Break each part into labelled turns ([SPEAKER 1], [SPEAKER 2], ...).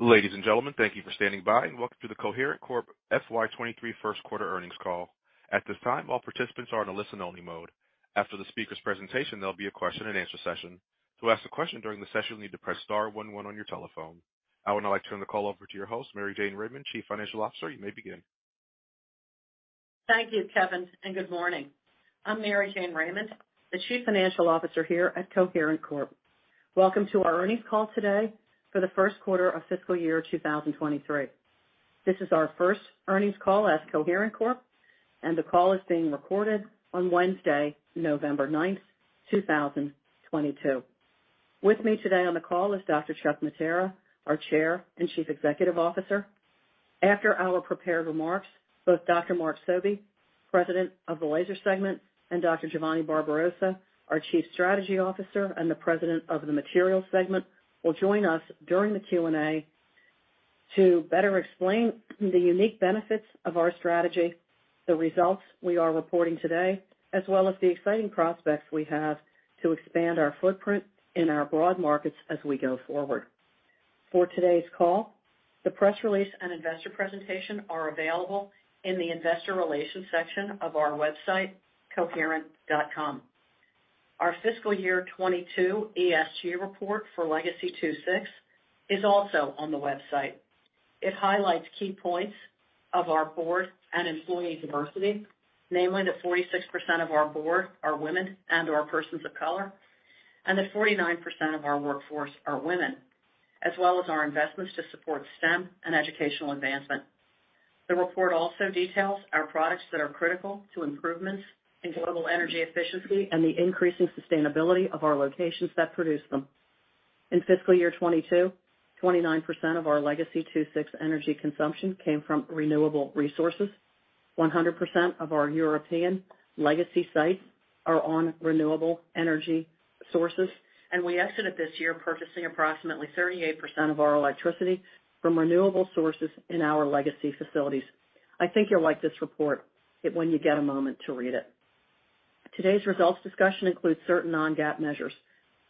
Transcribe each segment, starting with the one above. [SPEAKER 1] Ladies and gentlemen, thank you for standing by and welcome to the Coherent Corp. FY 2023 first quarter earnings call. At this time, all participants are in a listen-only mode. After the speaker's presentation, there'll be a question and answer session. To ask a question during the session, you need to press star one one on your telephone. I would now like to turn the call over to your host, Mary Jane Raymond, Chief Financial Officer. You may begin.
[SPEAKER 2] Thank you, Kevin, and good morning. I'm Mary Jane Raymond, the Chief Financial Officer here at Coherent Corp. Welcome to our earnings call today for the first quarter of fiscal year 2023. This is our first earnings call as Coherent Corp., and the call is being recorded on Wednesday, November 9, 2022. With me today on the call is Dr. Chuck Mattera, our Chair and Chief Executive Officer. After our prepared remarks, both Dr. Mark Sobey, President of the Laser segment, and Dr. Giovanni Barbarossa, our Chief Strategy Officer and the President of the Materials segment, will join us during the Q&A to better explain the unique benefits of our strategy, the results we are reporting today, as well as the exciting prospects we have to expand our footprint in our broad markets as we go forward. For today's call, the press release and investor presentation are available in the Investor Relations section of our website, coherent.com. Our fiscal year 2022 ESG report for Legacy II-VI is also on the website. It highlights key points of our board and employee diversity, namely that 46% of our board are women and/or persons of color, and that 49% of our workforce are women, as well as our investments to support STEM and educational advancement. The report also details our products that are critical to improvements in global energy efficiency and the increasing sustainability of our locations that produce them. In fiscal year 2022, 29% of our Legacy II-VI energy consumption came from renewable resources. 100% of our European legacy sites are on renewable energy sources, and we estimate this year purchasing approximately 38% of our electricity from renewable sources in our legacy facilities. I think you'll like this report when you get a moment to read it. Today's results discussion includes certain non-GAAP measures.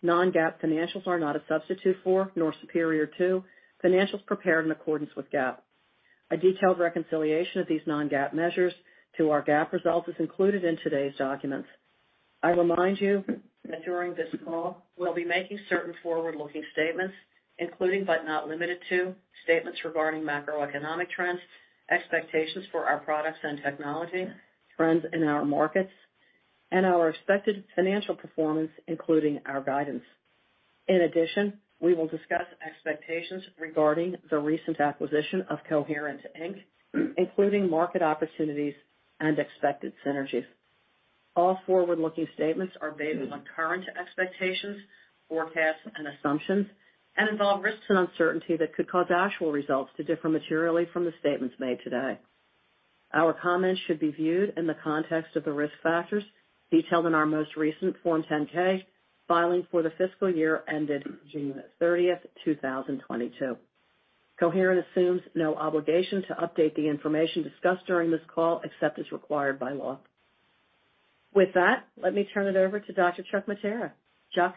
[SPEAKER 2] Non-GAAP financials are not a substitute for nor superior to financials prepared in accordance with GAAP. A detailed reconciliation of these non-GAAP measures to our GAAP results is included in today's documents. I remind you that during this call, we'll be making certain forward-looking statements, including but not limited to statements regarding macroeconomic trends, expectations for our products and technology, trends in our markets, and our expected financial performance, including our guidance. In addition, we will discuss expectations regarding the recent acquisition of Coherent, Inc., including market opportunities and expected synergies. All forward-looking statements are based on current expectations, forecasts, and assumptions and involve risks and uncertainty that could cause actual results to differ materially from the statements made today. Our comments should be viewed in the context of the risk factors detailed in our most recent Form 10-K filing for the fiscal year ended June 30, 2022. Coherent assumes no obligation to update the information discussed during this call, except as required by law. With that, let me turn it over to Dr. Chuck Mattera. Chuck?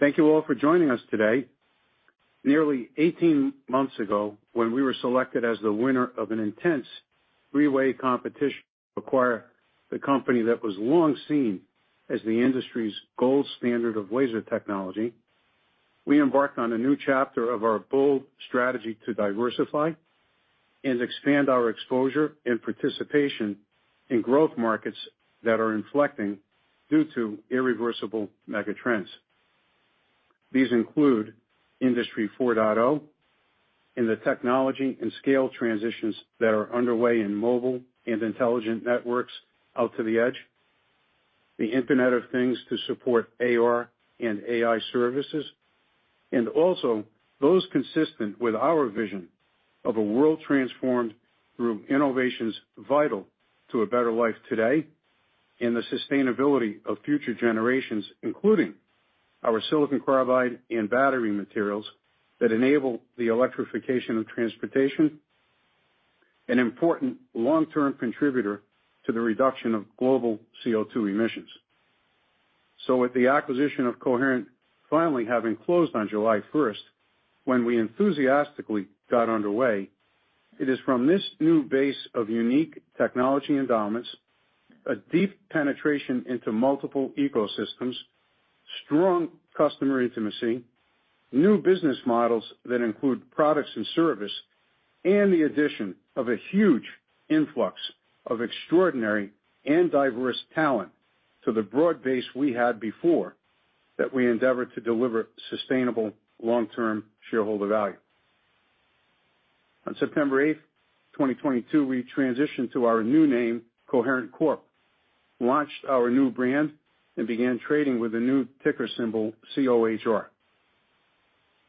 [SPEAKER 3] Thank you all for joining us today. Nearly 18 months ago, when we were selected as the winner of an intense three-way competition to acquire the company that was long seen as the industry's gold standard of laser technology, we embarked on a new chapter of our bold strategy to diversify and expand our exposure and participation in growth markets that are inflecting due to irreversible megatrends. These include Industry 4.0 and the technology and scale transitions that are underway in mobile and intelligent networks out to the edge, the Internet of Things to support AR and AI services, and also those consistent with our vision of a world transformed through innovations vital to a better life today and the sustainability of future generations, including our silicon carbide and battery materials that enable the electrification of transportation, an important long-term contributor to the reduction of global CO2 emissions. With the acquisition of Coherent finally having closed on July first, when we enthusiastically got underway, it is from this new base of unique technology endowments, a deep penetration into multiple ecosystems, strong customer intimacy, new business models that include products and service, and the addition of a huge influx of extraordinary and diverse talent to the broad base we had before that we endeavor to deliver sustainable long-term shareholder value. On September 8th, 2022, we transitioned to our new name, Coherent Corp., launched our new brand, and began trading with a new ticker symbol, COHR.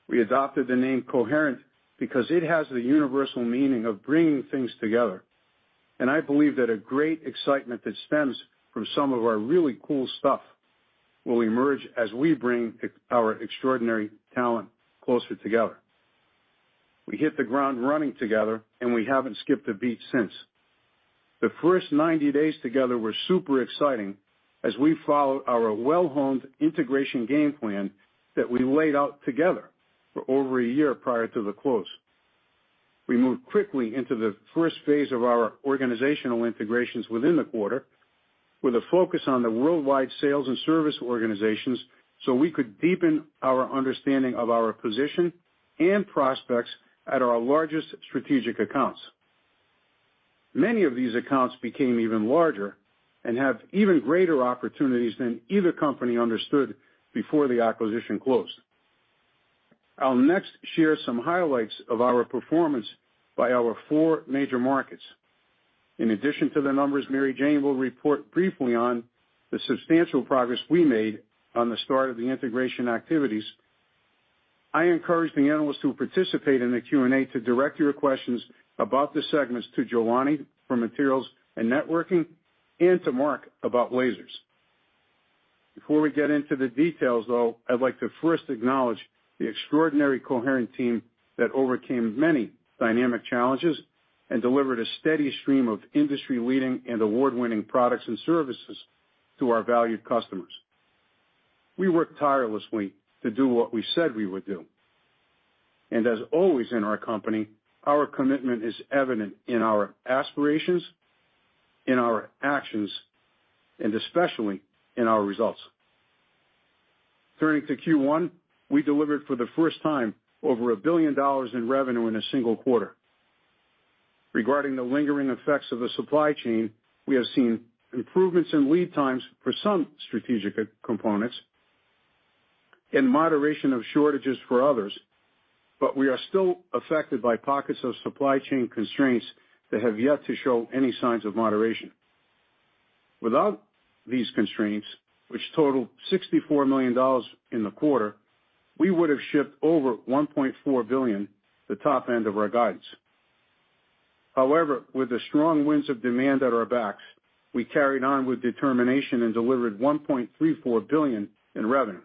[SPEAKER 3] We adopted the name Coherent because it has the universal meaning of bringing things together, and I believe that a great excitement that stems from some of our really cool stuff will emerge as we bring our extraordinary talent closer together. We hit the ground running together, and we haven't skipped a beat since. The first 90 days together were super exciting as we followed our well-honed integration game plan that we laid out together for over a year prior to the close. We moved quickly into the first phase of our organizational integrations within the quarter, with a focus on the worldwide sales and service organizations, so we could deepen our understanding of our position and prospects at our largest strategic accounts. Many of these accounts became even larger and have even greater opportunities than either company understood before the acquisition closed. I'll next share some highlights of our performance by our four major markets. In addition to the numbers Mary Jane will report briefly on the substantial progress we made on the start of the integration activities, I encourage the analysts who participate in the Q&A to direct your questions about the segments to Giovanni for materials and networking and to Mark about lasers. Before we get into the details, though, I'd like to first acknowledge the extraordinary Coherent team that overcame many dynamic challenges and delivered a steady stream of industry-leading and award-winning products and services to our valued customers. We worked tirelessly to do what we said we would do. As always in our company, our commitment is evident in our aspirations, in our actions, and especially in our results. Turning to Q1, we delivered for the first time over $1 billion in revenue in a single quarter. Regarding the lingering effects of the supply chain, we have seen improvements in lead times for some strategic components and moderation of shortages for others. But we are still affected by pockets of supply chain constraints that have yet to show any signs of moderation. Without these constraints, which totaled $64 million in the quarter, we would have shipped over $1.4 billion, the top end of our guidance. However, with the strong winds of demand at our backs, we carried on with determination and delivered $1.34 billion in revenue.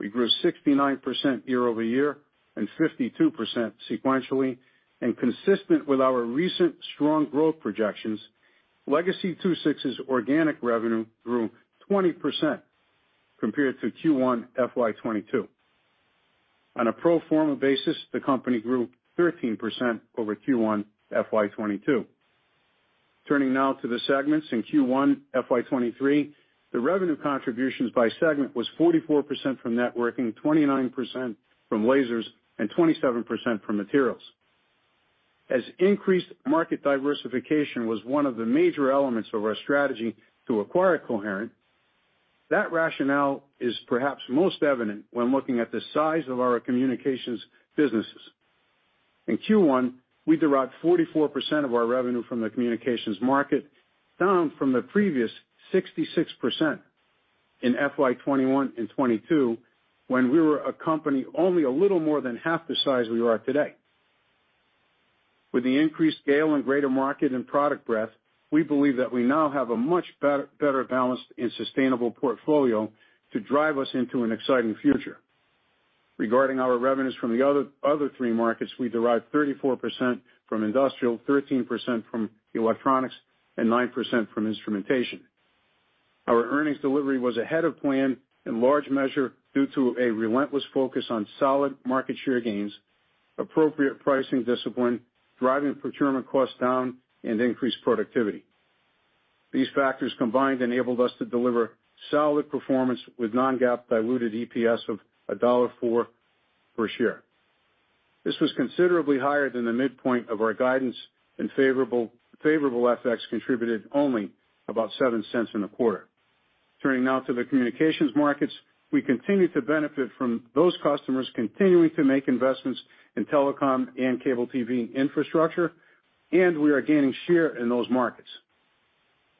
[SPEAKER 3] We grew 69% year-over-year and 52% sequentially. Consistent with our recent strong growth projections, legacy II-VI's organic revenue grew 20% compared to Q1 FY 2022. On a pro forma basis, the company grew 13% over Q1 FY 2022. Turning now to the segments in Q1 FY 2023, the revenue contributions by segment was 44% from networking, 29% from lasers, and 27% from materials. As increased market diversification was one of the major elements of our strategy to acquire Coherent, that rationale is perhaps most evident when looking at the size of our communications businesses. In Q1, we derived 44% of our revenue from the communications market, down from the previous 66% in FY 2021 and 2022, when we were a company only a little more than half the size we are today. With the increased scale and greater market and product breadth, we believe that we now have a much better balanced and sustainable portfolio to drive us into an exciting future. Regarding our revenues from the other three markets, we derived 34% from industrial, 13% from electronics, and 9% from instrumentation. Our earnings delivery was ahead of plan in large measure due to a relentless focus on solid market share gains, appropriate pricing discipline, driving procurement costs down, and increased productivity. These factors combined enabled us to deliver solid performance with non-GAAP diluted EPS of $1.04 per share. This was considerably higher than the midpoint of our guidance, and favorable FX contributed only about $0.07 in a quarter. Turning now to the communications markets. We continue to benefit from those customers continuing to make investments in telecom and cable TV infrastructure, and we are gaining share in those markets.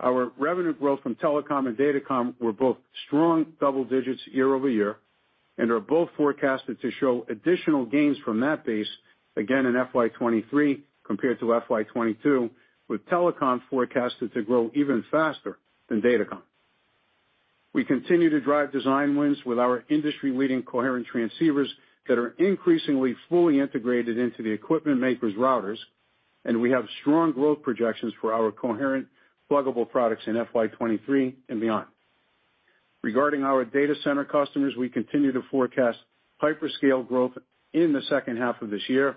[SPEAKER 3] Our revenue growth from telecom and datacom were both strong double digits year-over-year and are both forecasted to show additional gains from that base again in FY 2023 compared to FY 2022, with telecom forecasted to grow even faster than datacom. We continue to drive design wins with our industry-leading coherent transceivers that are increasingly fully integrated into the equipment makers' routers, and we have strong growth projections for our coherent pluggable products in FY 2023 and beyond. Regarding our data center customers, we continue to forecast hyperscale growth in the second half of this year.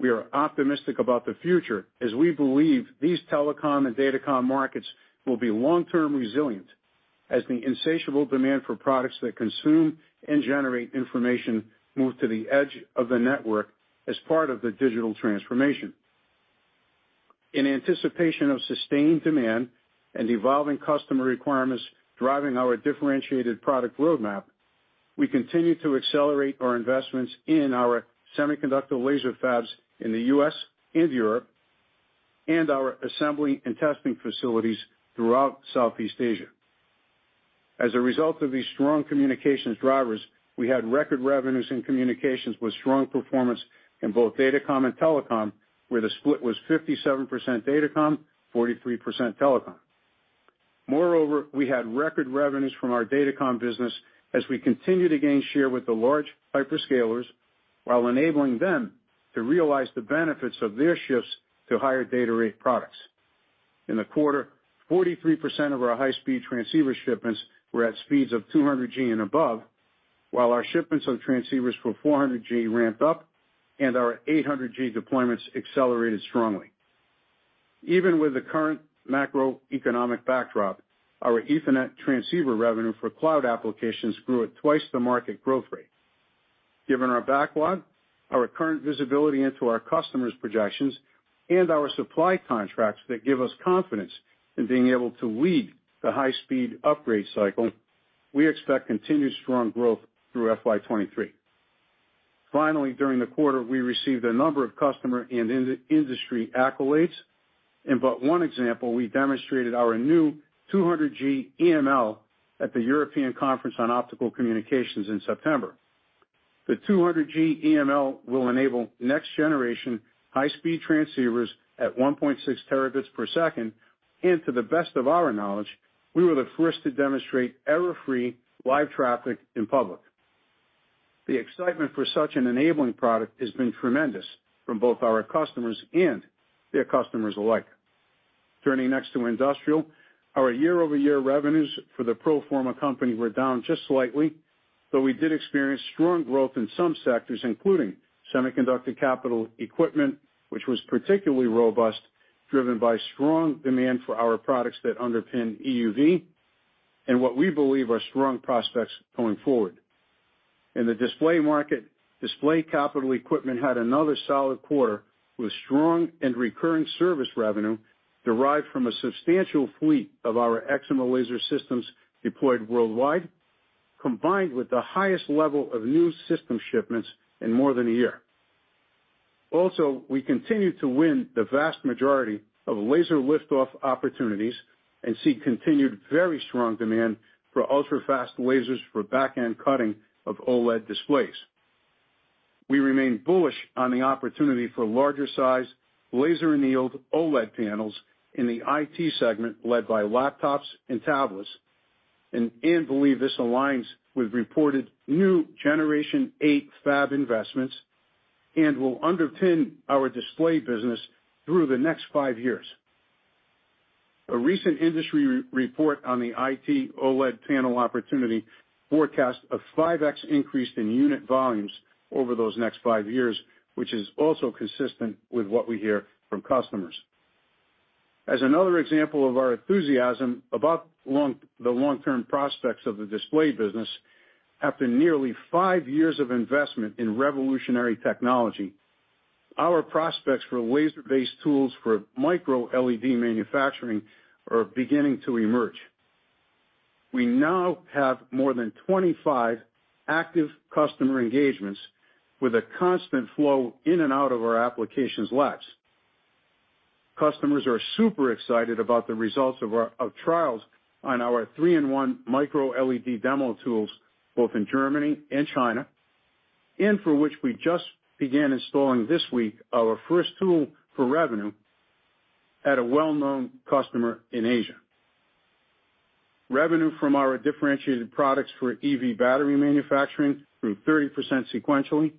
[SPEAKER 3] We are optimistic about the future as we believe these telecom and datacom markets will be long-term resilient as the insatiable demand for products that consume and generate information move to the edge of the network as part of the digital transformation. In anticipation of sustained demand and evolving customer requirements driving our differentiated product roadmap, we continue to accelerate our investments in our semiconductor laser fabs in the U.S. and Europe, and our assembly and testing facilities throughout Southeast Asia. As a result of these strong communications drivers, we had record revenues in communications with strong performance in both datacom and telecom, where the split was 57% datacom, 43% telecom. Moreover, we had record revenues from our datacom business as we continue to gain share with the large hyperscalers while enabling them to realize the benefits of their shifts to higher data rate products. In the quarter, 43% of our high-speed transceiver shipments were at speeds of 200G and above, while our shipments of transceivers for 400G ramped up, and our 800G deployments accelerated strongly. Even with the current macroeconomic backdrop, our Ethernet transceiver revenue for cloud applications grew at twice the market growth rate. Given our backlog, our current visibility into our customers' projections, and our supply contracts that give us confidence in being able to lead the high-speed upgrade cycle, we expect continued strong growth through FY 2023. Finally, during the quarter, we received a number of customer and in-industry accolades. In but one example, we demonstrated our new 200G EML at the European Conference on Optical Communications in September. The 200G EML will enable next-generation high-speed transceivers at 1.6 Tb/s, and to the best of our knowledge, we were the first to demonstrate error-free live traffic in public. The excitement for such an enabling product has been tremendous from both our customers and their customers alike. Turning next to Industrial. Our year-over-year revenues for the pro forma company were down just slightly, though we did experience strong growth in some sectors, including semiconductor capital equipment, which was particularly robust, driven by strong demand for our products that underpin EUV, and what we believe are strong prospects going forward. In the display market, display capital equipment had another solid quarter, with strong and recurring service revenue derived from a substantial fleet of our excimer laser systems deployed worldwide, combined with the highest level of new system shipments in more than a year. Also, we continue to win the vast majority of laser lift-off opportunities and see continued very strong demand for ultrafast lasers for back-end cutting of OLED displays. We remain bullish on the opportunity for larger size laser annealed OLED panels in the IT segment led by laptops and tablets, and believe this aligns with reported new Generation 8 fab investments and will underpin our display business through the next five years. A recent industry report on the IT OLED panel opportunity forecast a 5x increase in unit volumes over those next five years, which is also consistent with what we hear from customers. As another example of our enthusiasm about the long-term prospects of the display business, after nearly five years of investment in revolutionary technology, our prospects for laser-based tools for micro LED manufacturing are beginning to emerge. We now have more than 25 active customer engagements with a constant flow in and out of our applications labs. Customers are super excited about the results of our trials on our three-in-one MicroLED demo tools, both in Germany and China, and for which we just began installing this week our first tool for revenue at a well-known customer in Asia. Revenue from our differentiated products for EV battery manufacturing grew 30% sequentially.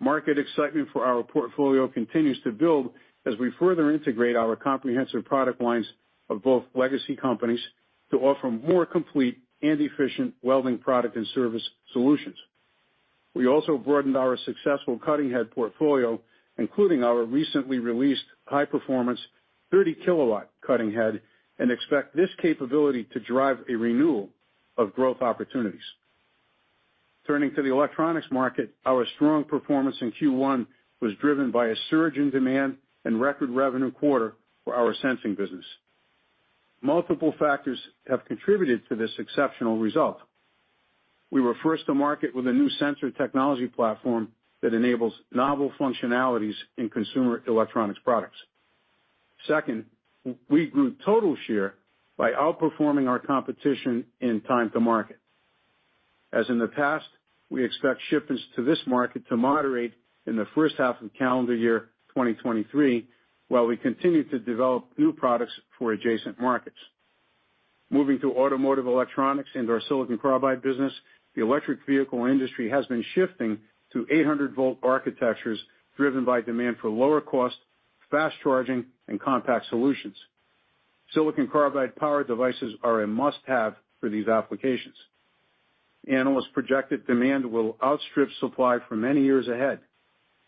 [SPEAKER 3] Market excitement for our portfolio continues to build as we further integrate our comprehensive product lines of both legacy companies to offer more complete and efficient welding product and service solutions. We also broadened our successful cutting head portfolio, including our recently released high-performance 30 kW cutting head, and expect this capability to drive a renewal of growth opportunities. Turning to the electronics market, our strong performance in Q1 was driven by a surge in demand and record revenue quarter for our sensing business. Multiple factors have contributed to this exceptional result. We were first to market with a new sensor technology platform that enables novel functionalities in consumer electronics products. Second, we grew total share by outperforming our competition in time to market. As in the past, we expect shipments to this market to moderate in the first half of calendar year 2023, while we continue to develop new products for adjacent markets. Moving to automotive electronics and our silicon carbide business, the electric vehicle industry has been shifting to 800 V architectures driven by demand for lower cost, fast charging, and compact solutions. Silicon carbide power devices are a must-have for these applications. Analysts projected demand will outstrip supply for many years ahead,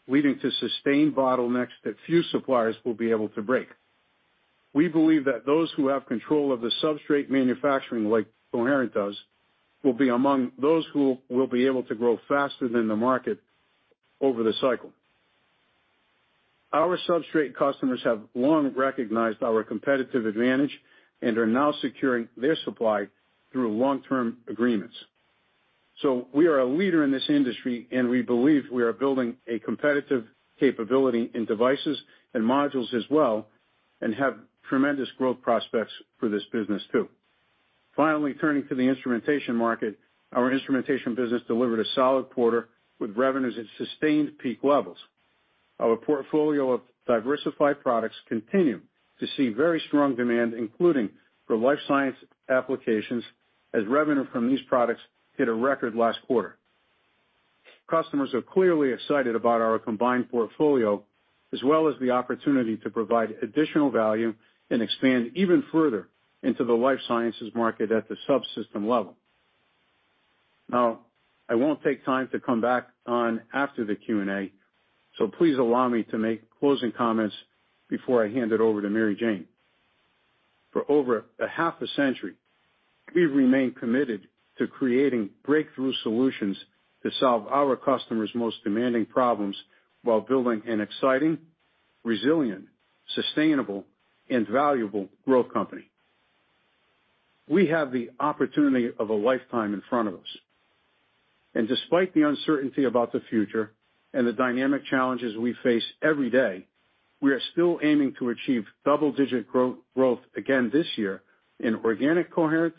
[SPEAKER 3] leading to sustained bottlenecks that few suppliers will be able to break. We believe that those who have control of the substrate manufacturing, like Coherent does, will be among those who will be able to grow faster than the market over the cycle. Our substrate customers have long recognized our competitive advantage and are now securing their supply through long-term agreements. We are a leader in this industry, and we believe we are building a competitive capability in devices and modules as well, and have tremendous growth prospects for this business too. Finally, turning to the instrumentation market. Our instrumentation business delivered a solid quarter with revenues at sustained peak levels. Our portfolio of diversified products continue to see very strong demand, including for life science applications, as revenue from these products hit a record last quarter. Customers are clearly excited about our combined portfolio, as well as the opportunity to provide additional value and expand even further into the life sciences market at the subsystem level. Now, I won't take time to come back on after the Q&A, so please allow me to make closing comments before I hand it over to Mary Jane. For over a half a century, we've remained committed to creating breakthrough solutions to solve our customers' most demanding problems while building an exciting, resilient, sustainable, and valuable growth company. We have the opportunity of a lifetime in front of us, and despite the uncertainty about the future and the dynamic challenges we face every day, we are still aiming to achieve double-digit growth again this year in organic Coherent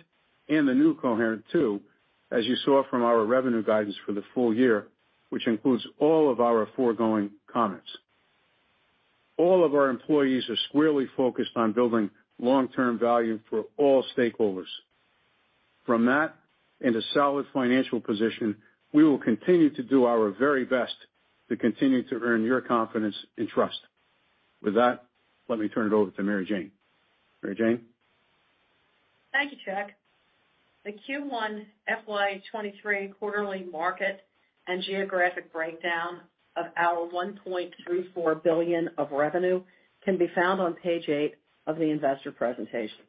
[SPEAKER 3] and the new Coherent too, as you saw from our revenue guidance for the full-year, which includes all of our foregoing comments. All of our employees are squarely focused on building long-term value for all stakeholders. From that, in a solid financial position, we will continue to do our very best to continue to earn your confidence and trust. With that, let me turn it over to Mary Jane. Mary Jane?
[SPEAKER 2] Thank you, Chuck. The Q1 FY 2023 quarterly market and geographic breakdown of our $1.34 billion of revenue can be found on page eight of the investor presentation.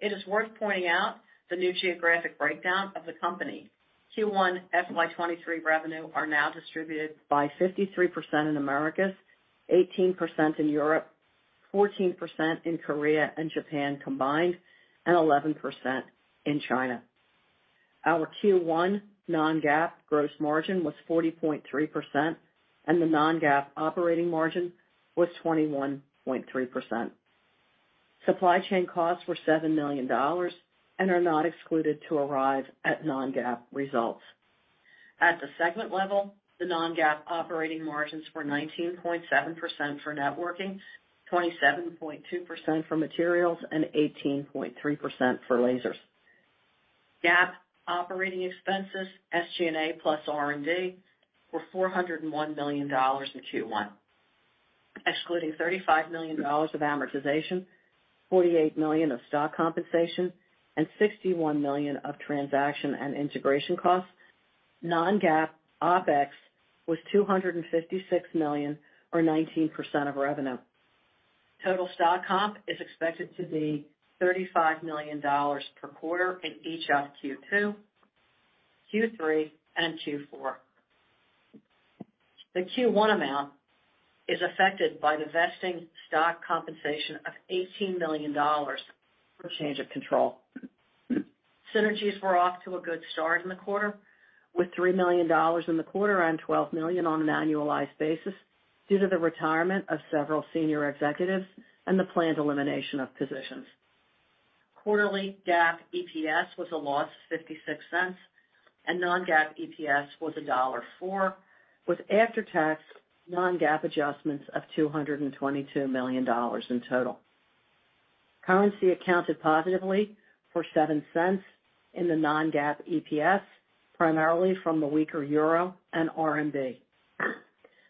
[SPEAKER 2] It is worth pointing out the new geographic breakdown of the company. Q1 FY 2023 revenue are now distributed by 53% in Americas, 18% in Europe, 14% in Korea and Japan combined, and 11% in China. Our Q1 non-GAAP gross margin was 40.3%, and the non-GAAP operating margin was 21.3%. Supply chain costs were $7 million and are not excluded to arrive at non-GAAP results. At the segment level, the non-GAAP operating margins were 19.7% for networking, 27.2% for materials, and 18.3% for lasers. GAAP operating expenses, SG&A plus R&D, were $401 million in Q1. Excluding $35 million of amortization, $48 million of stock compensation, and $61 million of transaction and integration costs, non-GAAP OpEx was $256 million or 19% of revenue. Total stock comp is expected to be $35 million per quarter in each of Q2, Q3, and Q4. The Q1 amount is affected by the vesting stock compensation of $18 million for change of control. Synergies were off to a good start in the quarter, with $3 million in the quarter on $12 million on an annualized basis due to the retirement of several senior executives and the planned elimination of positions. Quarterly GAAP EPS was a loss of $0.56, and non-GAAP EPS was $1.04, with after-tax non-GAAP adjustments of $222 million in total. Currency accounted positively for $0.07 in the non-GAAP EPS, primarily from the weaker euro and RMB.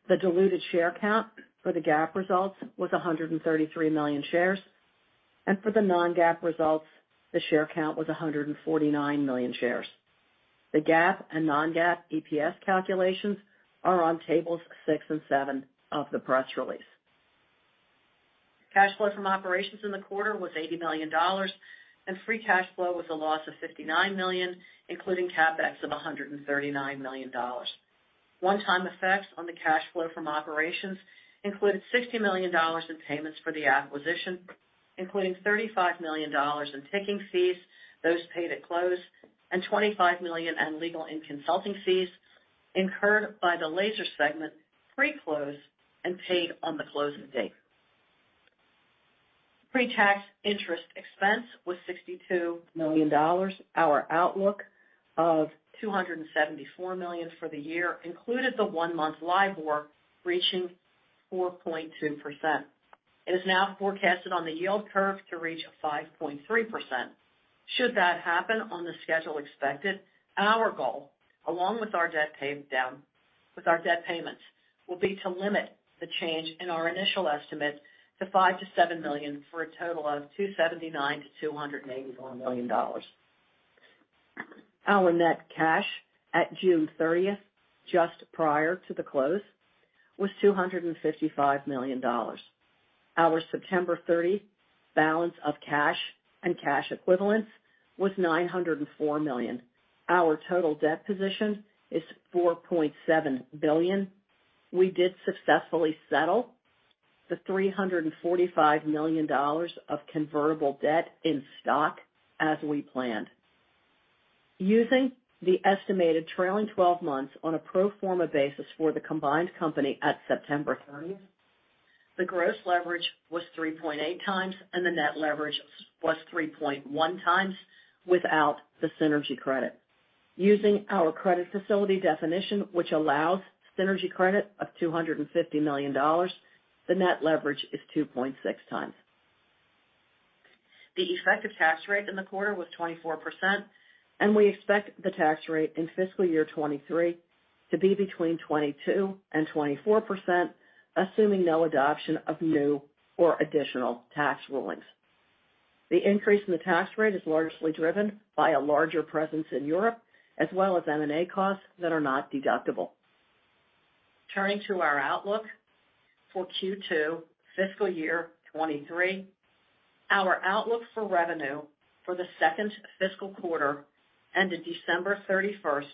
[SPEAKER 2] The diluted share count for the GAAP results was 133 million shares, and for the non-GAAP results, the share count was 149 million shares. The GAAP and non-GAAP EPS calculations are on tables six and seven of the press release. Cash flow from operations in the quarter was $80 million, and free cash flow was a loss of $59 million, including CapEx of $139 million. One-time effects on the cash flow from operations included $60 million in payments for the acquisition, including $35 million in banking fees, those paid at close, and $25 million in legal and consulting fees incurred by the laser segment pre-close and paid on the closing date. Pre-tax interest expense was $62 million. Our outlook of $274 million for the year included the one-month LIBOR reaching 4.2%. It is now forecasted on the yield curve to reach 5.3%. Should that happen on the schedule expected, our goal, along with our debt payments, will be to limit the change in our initial estimate to $5-$7 million for a total of $279-$281 million. Our net cash at June 30th, just prior to the close, was $255 million. Our September 30th balance of cash and cash equivalents was $904 million. Our total debt position is $4.7 billion. We did successfully settle the $345 million of convertible debt in stock as we planned. Using the estimated trailing 12 months on a pro forma basis for the combined company at September 30, the gross leverage was 3.8x and the net leverage was 3.1x without the synergy credit. Using our credit facility definition, which allows synergy credit of $250 million, the net leverage is 2.6x. The effective tax rate in the quarter was 24%, and we expect the tax rate in fiscal year 2023 to be between 22% and 24%, assuming no adoption of new or additional tax rulings. The increase in the tax rate is largely driven by a larger presence in Europe as well as M&A costs that are not deductible. Turning to our outlook for Q2 fiscal year 2023. Our outlook for revenue for the second fiscal quarter ended December 31st,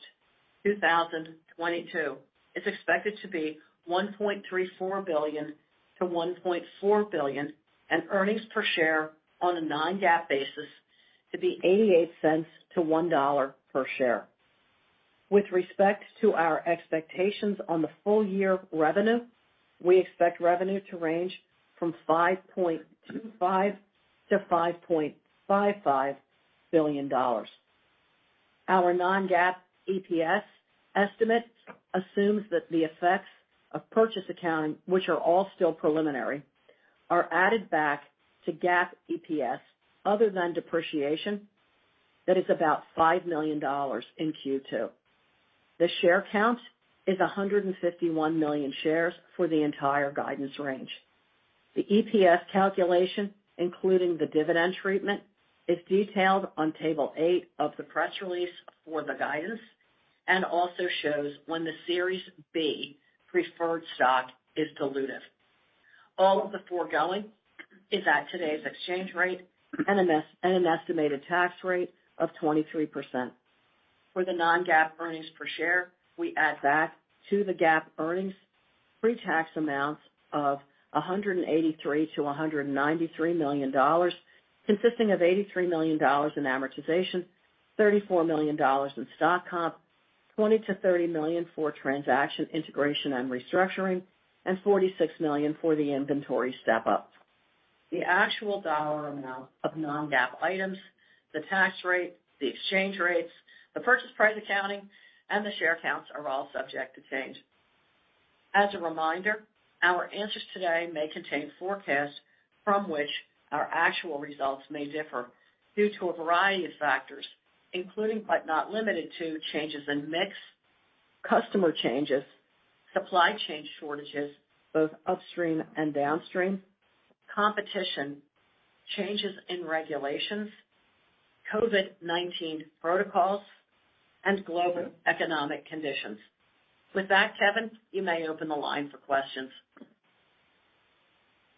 [SPEAKER 2] 2022, is expected to be $1.34 billion-$1.4 billion, and earnings per share on a non-GAAP basis to be $0.88-$1.00 per share. With respect to our expectations on the full-year revenue, we expect revenue to range from $5.25 billion-$5.55 billion. Our non-GAAP EPS estimate assumes that the effects of purchase accounting, which are all still preliminary, are added back to GAAP EPS other than depreciation that is about $5 million in Q2. The share count is 151 million shares for the entire guidance range. The EPS calculation, including the dividend treatment, is detailed on table eight of the press release for the guidance and also shows when the Series B preferred stock is dilutive. All of the foregoing is at today's exchange rate and an estimated tax rate of 23%. For the non-GAAP earnings per share, we add back to the GAAP earnings pre-tax amounts of $183 million-$193 million, consisting of $83 million in amortization, $34 million in stock comp, $20 million-$30 million for transaction integration and restructuring, and $46 million for the inventory step up. The actual dollar amount of non-GAAP items, the tax rate, the exchange rates, the purchase price accounting, and the share counts are all subject to change. As a reminder, our answers today may contain forecasts from which our actual results may differ due to a variety of factors, including but not limited to changes in mix, customer changes, supply chain shortages, both upstream and downstream, competition, changes in regulations, COVID-19 protocols, and global economic conditions. With that, Kevin, you may open the line for questions.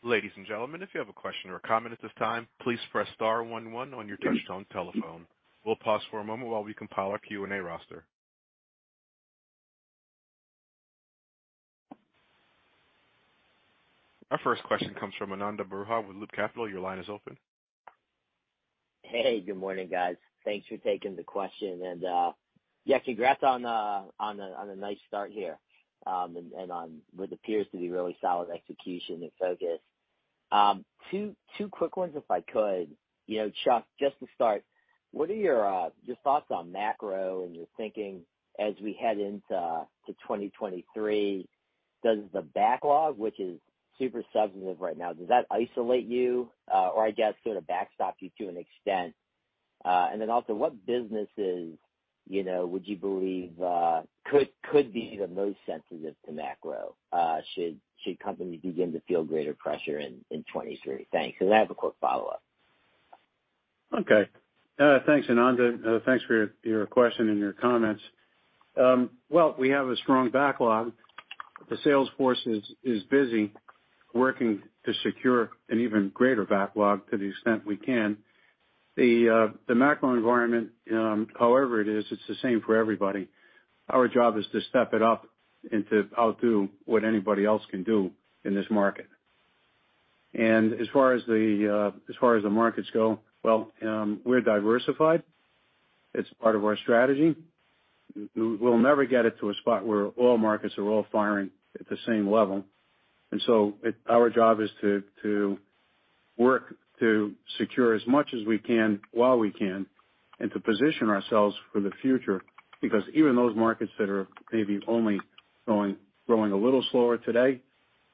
[SPEAKER 1] Ladies and gentlemen, if you have a question or a comment at this time, please press star one one on your touch-tone telephone. We'll pause for a moment while we compile our Q&A roster. Our first question comes from Ananda Baruah with Loop Capital. Your line is open.
[SPEAKER 4] Hey, good morning, guys. Thanks for taking the question. Yeah, congrats on a nice start here, and on what appears to be really solid execution and focus. Two quick ones if I could. You know, Chuck, just to start, what are your thoughts on macro and your thinking as we head into 2023? Does the backlog, which is super substantial right now, does that isolate you, or I guess sort of backstop you to an extent? Then also, what businesses, you know, would you believe, could be the most sensitive to macro, should companies begin to feel greater pressure in 2023? Thanks. I have a quick follow-up.
[SPEAKER 3] Okay. Thanks, Ananda. Thanks for your question and your comments. Well, we have a strong backlog. The sales force is busy working to secure an even greater backlog to the extent we can. The macro environment, however it is, it's the same for everybody. Our job is to step it up and to outdo what anybody else can do in this market. As far as the markets go, well, we're diversified. It's part of our strategy. We'll never get it to a spot where all markets are all firing at the same level. Our job is to work to secure as much as we can while we can, and to position ourselves for the future, because even those markets that are maybe only growing a little slower today,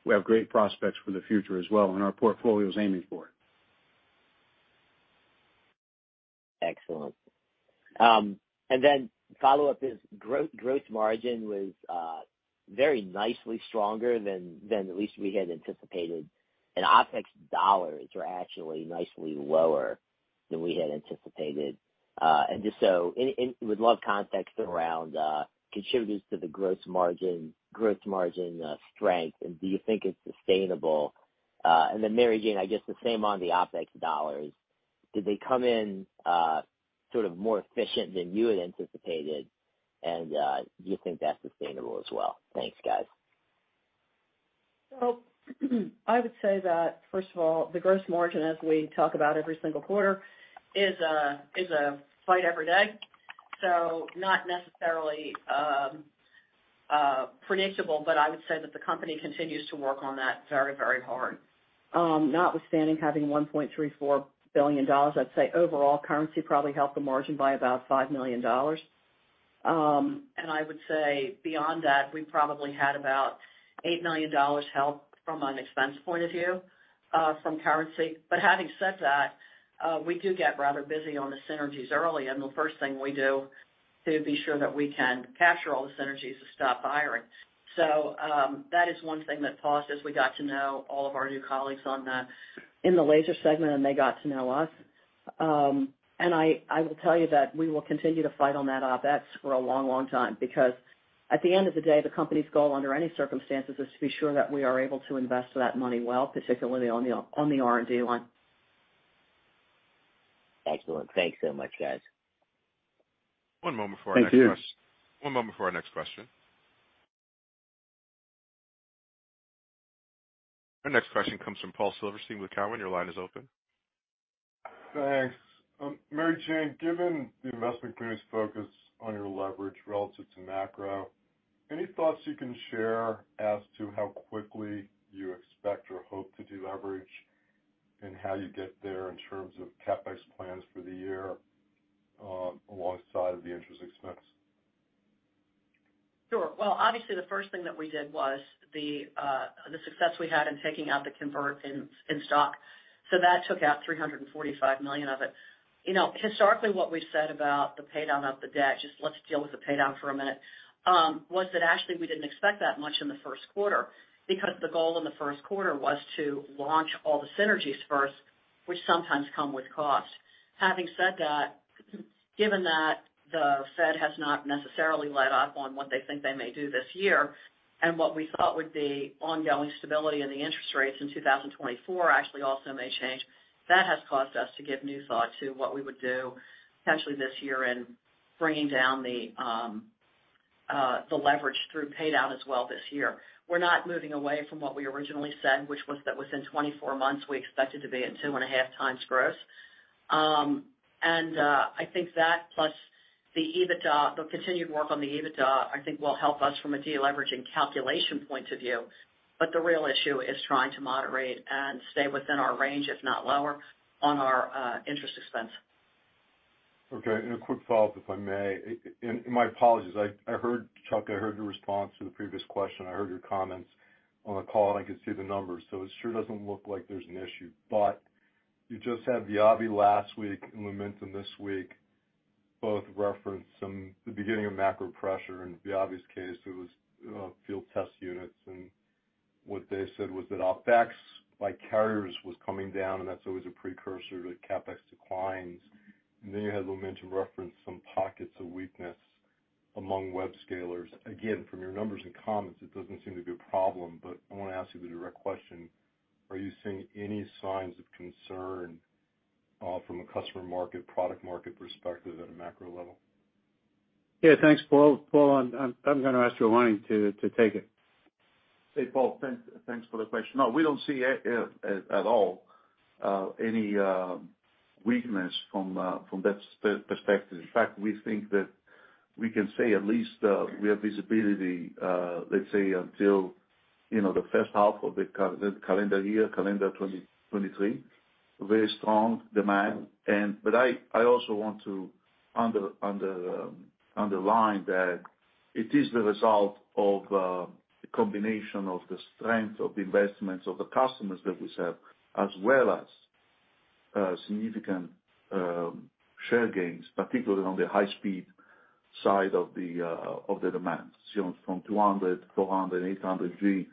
[SPEAKER 3] we have great prospects for the future as well, and our portfolio is aiming for it.
[SPEAKER 4] Excellent. Then follow up is gross margin was very nicely stronger than at least we had anticipated. OpEx dollars were actually nicely lower than we had anticipated. Would love context around contributors to the gross margin strength, and do you think it's sustainable? Then Mary Jane, I guess the same on the OpEx dollars. Did they come in sort of more efficient than you had anticipated? Do you think that's sustainable as well? Thanks, guys.
[SPEAKER 2] I would say that first of all, the gross margin as we talk about every single quarter is a fight every day. Not necessarily predictable, but I would say that the company continues to work on that very, very hard. Notwithstanding having $1.34 billion, I'd say overall currency probably helped the margin by about $5 million. And I would say beyond that, we probably had about $8 million help from an expense point of view from currency. Having said that, we do get rather busy on the synergies early, and the first thing we do to be sure that we can capture all the synergies is stop hiring. That is one thing that paused as we got to know all of our new colleagues in the laser segment, and they got to know us. I will tell you that we will continue to fight on that OpEx for a long, long time because at the end of the day, the company's goal under any circumstances is to be sure that we are able to invest that money well, particularly on the R&D line.
[SPEAKER 4] Excellent. Thanks so much, guys.
[SPEAKER 1] One moment before our next question.
[SPEAKER 3] Thank you.
[SPEAKER 1] One moment before our next question. Our next question comes from Paul Silverstein with Cowen. Your line is open.
[SPEAKER 5] Thanks. Mary Jane, given the investment community's focus on your leverage relative to macro, any thoughts you can share as to how quickly you expect or hope to deleverage and how you get there in terms of CapEx plans for the year, alongside of the interest expense?
[SPEAKER 2] Sure. Well, obviously the first thing that we did was the success we had in taking out the convertible in stock. That took out $345 million of it. You know, historically, what we said about the pay down of the debt, just let's deal with the pay down for a minute, was that actually, we didn't expect that much in the first quarter because the goal in the first quarter was to launch all the synergies first, which sometimes come with cost. Having said that, given that the Fed has not necessarily let up on what they think they may do this year, and what we thought would be ongoing stability in the interest rates in 2024 actually also may change, that has caused us to give new thought to what we would do potentially this year in bringing down the leverage through pay down as well this year. We're not moving away from what we originally said, which was that within 24 months, we expected to be at 2.5x gross. I think that plus the EBITDA, the continued work on the EBITDA, I think will help us from a deleveraging calculation point of view. The real issue is trying to moderate and stay within our range, if not lower, on our interest expense.
[SPEAKER 5] Okay. And a quick follow-up, if I may. And my apologies. I heard, Chuck, I heard your response to the previous question. I heard your comments on the call, and I can see the numbers. So it sure doesn't look like there's an issue. But you just had VIAVI last week and Lumentum this week, both reference the beginning of macro pressure. In VIAVI's case, it was field test units. And what they said was that OpEx by carriers was coming down, and that's always a precursor to CapEx declines. And then you had Lumentum reference some pockets of weakness among web scalers. Again, from your numbers and comments, it doesn't seem to be a problem, but I wanna ask you the direct question. Are you seeing any signs of concern from a customer market, product market perspective at a macro level?
[SPEAKER 3] Yeah, thanks, Paul. Paul, I'm gonna ask Giovanni to take it.
[SPEAKER 6] Hey, Paul, thanks for the question. No, we don't see at all any weakness from that perspective. In fact, we think that we can say at least we have visibility, let's say until, you know, the first half of the calendar year, calendar 2023. Very strong demand. I also want to underline that it is the result of the combination of the strength of the investments of the customers that we serve, as well as significant share gains, particularly on the high speed side of the demand. From 200G, 400G, 800G,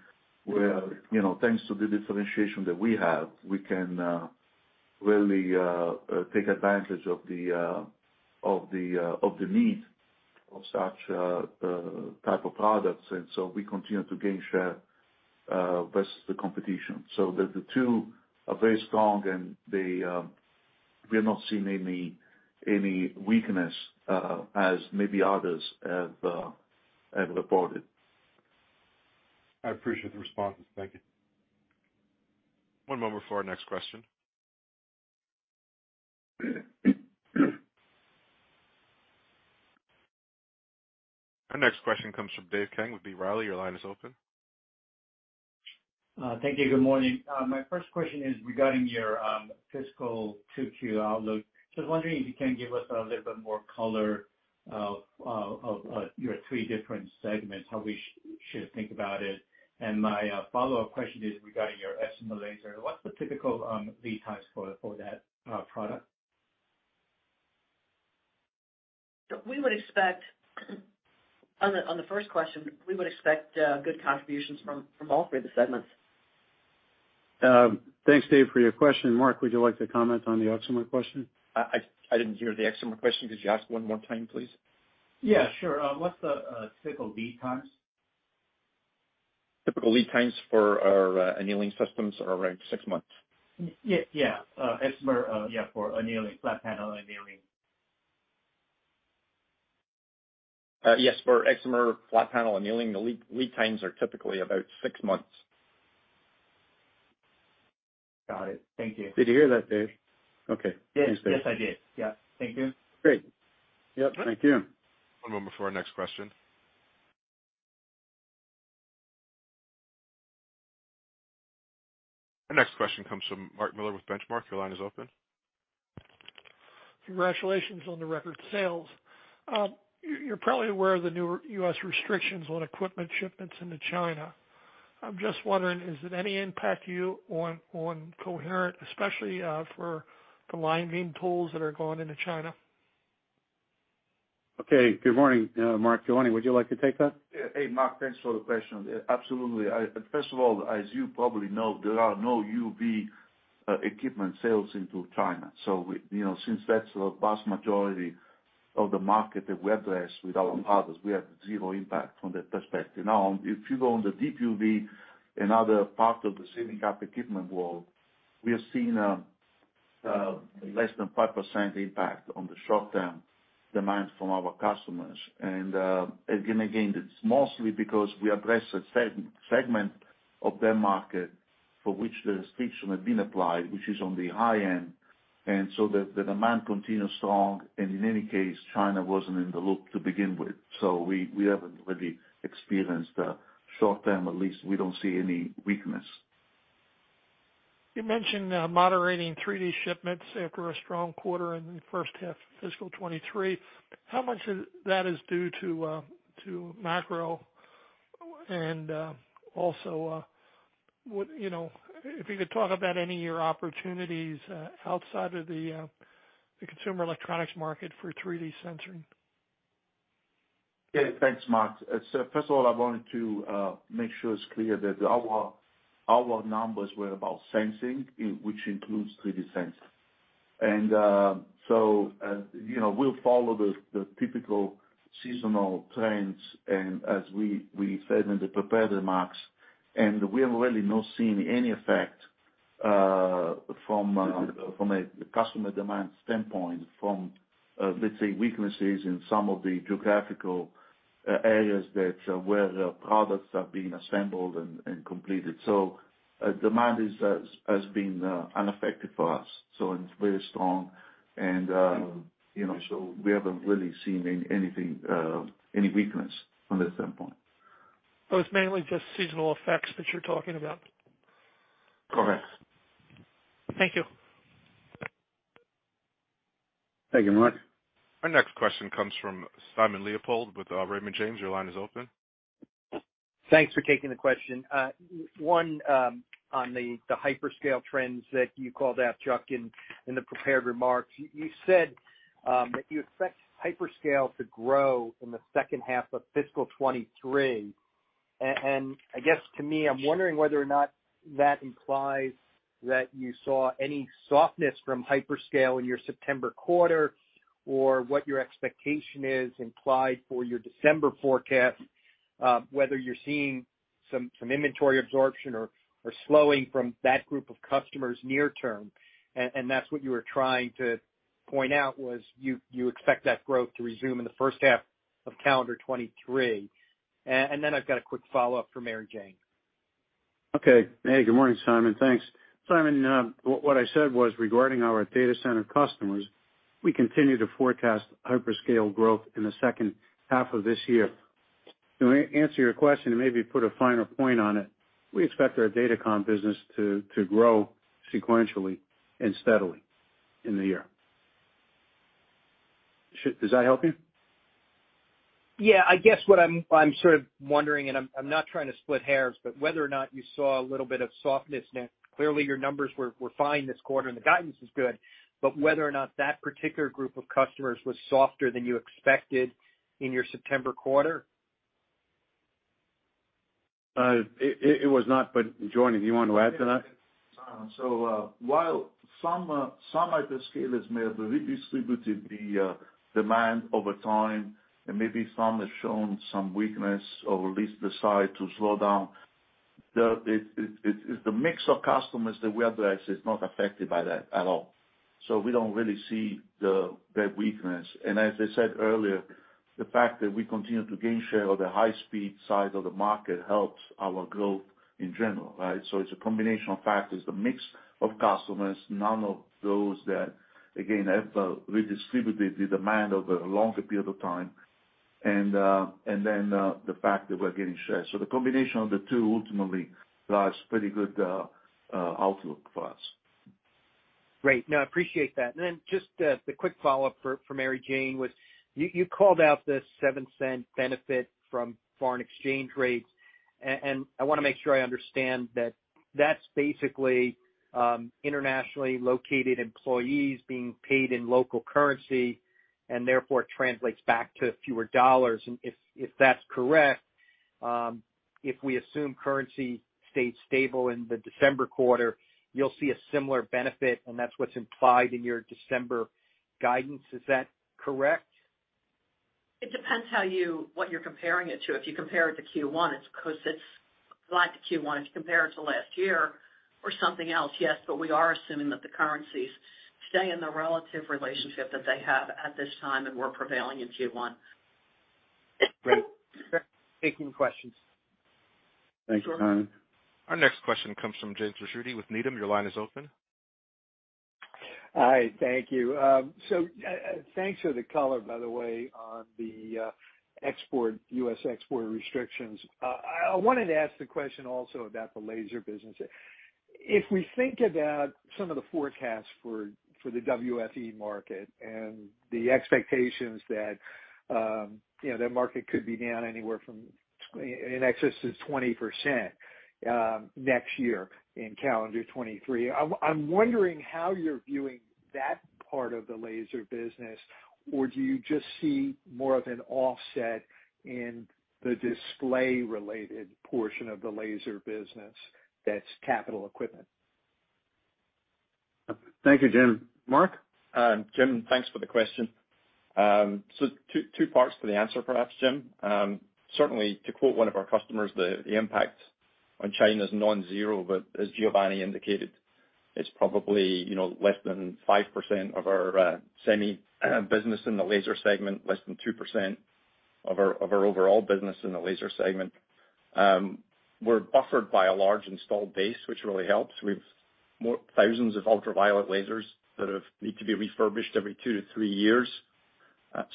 [SPEAKER 6] where, you know, thanks to the differentiation that we have, we can really take advantage of the need of such type of products. We continue to gain share versus the competition. The two are very strong. We have not seen any weakness as maybe others have reported.
[SPEAKER 5] I appreciate the responses. Thank you.
[SPEAKER 1] One moment before our next question. Our next question comes from Dave Kang with B. Riley. Your line is open.
[SPEAKER 7] Thank you. Good morning. My first question is regarding your fiscal year 2q outlook. Just wondering if you can give us a little bit more color on your three different segments, how we should think about it. My follow-up question is regarding your excimer laser. What's the typical lead times for that product?
[SPEAKER 2] We would expect good contributions from all three of the segments.
[SPEAKER 3] Thanks, Dave, for your question. Mark, would you like to comment on the excimer question?
[SPEAKER 8] I didn't hear the excimer question. Could you ask one more time, please?
[SPEAKER 7] Yeah, sure. What's the typical lead times?
[SPEAKER 8] Typical lead times for our annealing systems are around six months.
[SPEAKER 7] Yeah. Excimer, yeah, for annealing, flat panel annealing.
[SPEAKER 8] Yes, for excimer flat panel annealing, the lead times are typically about six months.
[SPEAKER 7] Got it. Thank you.
[SPEAKER 3] Did you hear that, Dave? Okay.
[SPEAKER 7] Yes. Yes, I did. Yeah. Thank you.
[SPEAKER 3] Great. Yep. Thank you.
[SPEAKER 1] One moment before our next question. The next question comes from Mark Miller with Benchmark. Your line is open.
[SPEAKER 9] Congratulations on the record sales. You're probably aware of the new U.S. restrictions on equipment shipments into China. I'm just wondering, is it any impact to you on Coherent, especially for the line beam tools that are going into China?
[SPEAKER 3] Okay. Good morning, Mark. Giovanni, would you like to take that?
[SPEAKER 6] Yeah. Hey, Mark, thanks for the question. Absolutely. First of all, as you probably know, there are no UV equipment sales into China. You know, since that's the vast majority of the market that we address with our partners, we have zero impact from that perspective. Now, if you go on the deep UV, another part of the semi-cap equipment world, we have seen less than 5% impact on the short-term demand from our customers. Again, it's mostly because we address a segment of their market for which the restriction had been applied, which is on the high end. The demand continues strong, and in any case, China wasn't in the loop to begin with. We haven't really experienced a short term, at least we don't see any weakness.
[SPEAKER 9] You mentioned moderating 3D shipments after a strong quarter in the first half of fiscal year 2023. How much of that is due to macro? Also, you know, if you could talk about any of your opportunities outside of the consumer electronics market for 3D sensing.
[SPEAKER 6] Yeah. Thanks, Mark. First of all, I wanted to make sure it's clear that our numbers were about sensing, which includes 3D sensing. You know, we'll follow the typical seasonal trends and as we said in the prepared remarks, we have really not seen any effect from a customer demand standpoint from, let's say, weaknesses in some of the geographical areas where the products are being assembled and completed. Demand has been unaffected for us, so it's very strong and you know, we haven't really seen any weakness from that standpoint.
[SPEAKER 9] It's mainly just seasonal effects that you're talking about?
[SPEAKER 6] Correct.
[SPEAKER 9] Thank you.
[SPEAKER 3] Thank you, Mark.
[SPEAKER 1] Our next question comes from Simon Leopold with Raymond James. Your line is open.
[SPEAKER 10] Thanks for taking the question. One on the hyperscale trends that you called out, Chuck, in the prepared remarks. You said that you expect hyperscale to grow in the second half of fiscal year 2023. I guess to me, I'm wondering whether or not that implies that you saw any softness from hyperscale in your September quarter or what your expectation is implied for your December forecast, whether you're seeing some inventory absorption or slowing from that group of customers near term. That's what you were trying to point out was you expect that growth to resume in the first half of calendar 2023. Then I've got a quick follow-up for Mary Jane.
[SPEAKER 3] Okay. Hey, good morning, Simon. Thanks. Simon, what I said was regarding our data center customers, we continue to forecast hyperscale growth in the second half of this year. To answer your question and maybe put a finer point on it, we expect our datacom business to grow sequentially and steadily in the year. Does that help you?
[SPEAKER 10] Yeah. I guess what I'm sort of wondering, and I'm not trying to split hairs, but whether or not you saw a little bit of softness? Now, clearly, your numbers were fine this quarter, and the guidance is good. Whether or not that particular group of customers was softer than you expected in your September quarter?
[SPEAKER 3] It was not, but Giovanni, do you want to add to that?
[SPEAKER 6] While some hyperscalers may have redistributed the demand over time, and maybe some have shown some weakness or at least decide to slow down, it's the mix of customers that we address is not affected by that at all. We don't really see the weakness. As I said earlier, the fact that we continue to gain share of the high-speed side of the market helps our growth in general, right? It's a combination of factors, the mix of customers, none of those that, again, have redistributed the demand over a longer period of time, and then the fact that we're getting shares. The combination of the two ultimately drives pretty good outlook for us.
[SPEAKER 10] Great. No, I appreciate that. Just the quick follow-up for Mary Jane was you called out the $0.07 benefit from foreign exchange rates. I wanna make sure I understand that that's basically internationally located employees being paid in local currency, and therefore it translates back to fewer dollars. If that's correct, if we assume currency stays stable in the December quarter, you'll see a similar benefit, and that's what's implied in your December guidance. Is that correct?
[SPEAKER 2] It depends what you're comparing it to. If you compare it to Q1, it's 'cause it's like the Q1 if you compare it to last year or something else, yes, but we are assuming that the currencies stay in the relative relationship that they have at this time, and we're planning in Q1.
[SPEAKER 10] Great. Thank you for answering my questions.
[SPEAKER 3] Thanks.
[SPEAKER 1] Our next question comes from Jim Ricchiuti with Needham. Your line is open.
[SPEAKER 11] Hi, thank you. So, thanks for the color by the way, on the export, U.S. export restrictions. I wanted to ask the question also about the laser business. If we think about some of the forecasts for the WFE market and the expectations that, you know, that market could be down anywhere from in excess of 20%, next year in calendar 2023. I'm wondering how you're viewing that part of the laser business, or do you just see more of an offset in the display related portion of the laser business that's capital equipment?
[SPEAKER 3] Thank you, Jim. Mark?
[SPEAKER 8] Jim, thanks for the question. So two parts to the answer perhaps, Jim. Certainly to quote one of our customers, the impact on China is non-zero, but as Giovanni indicated, it's probably, you know, less than 5% of our semi business in the laser segment, less than 2% of our overall business in the laser segment. We're buffered by a large installed base, which really helps. We have thousands of ultraviolet lasers that need to be refurbished every two to three years.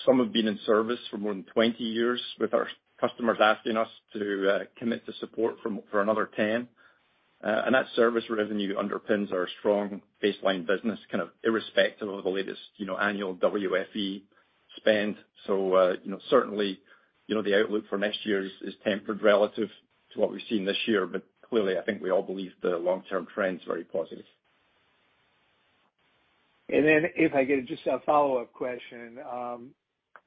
[SPEAKER 8] Some have been in service for more than 20 years, with our customers asking us to commit to support for another 10. That service revenue underpins our strong baseline business, kind of irrespective of the latest, you know, annual WFE spend. You know, certainly, you know, the outlook for next year is tempered relative to what we've seen this year, but clearly I think we all believe the long-term trend's very positive.
[SPEAKER 11] Then if I could, just a follow-up question.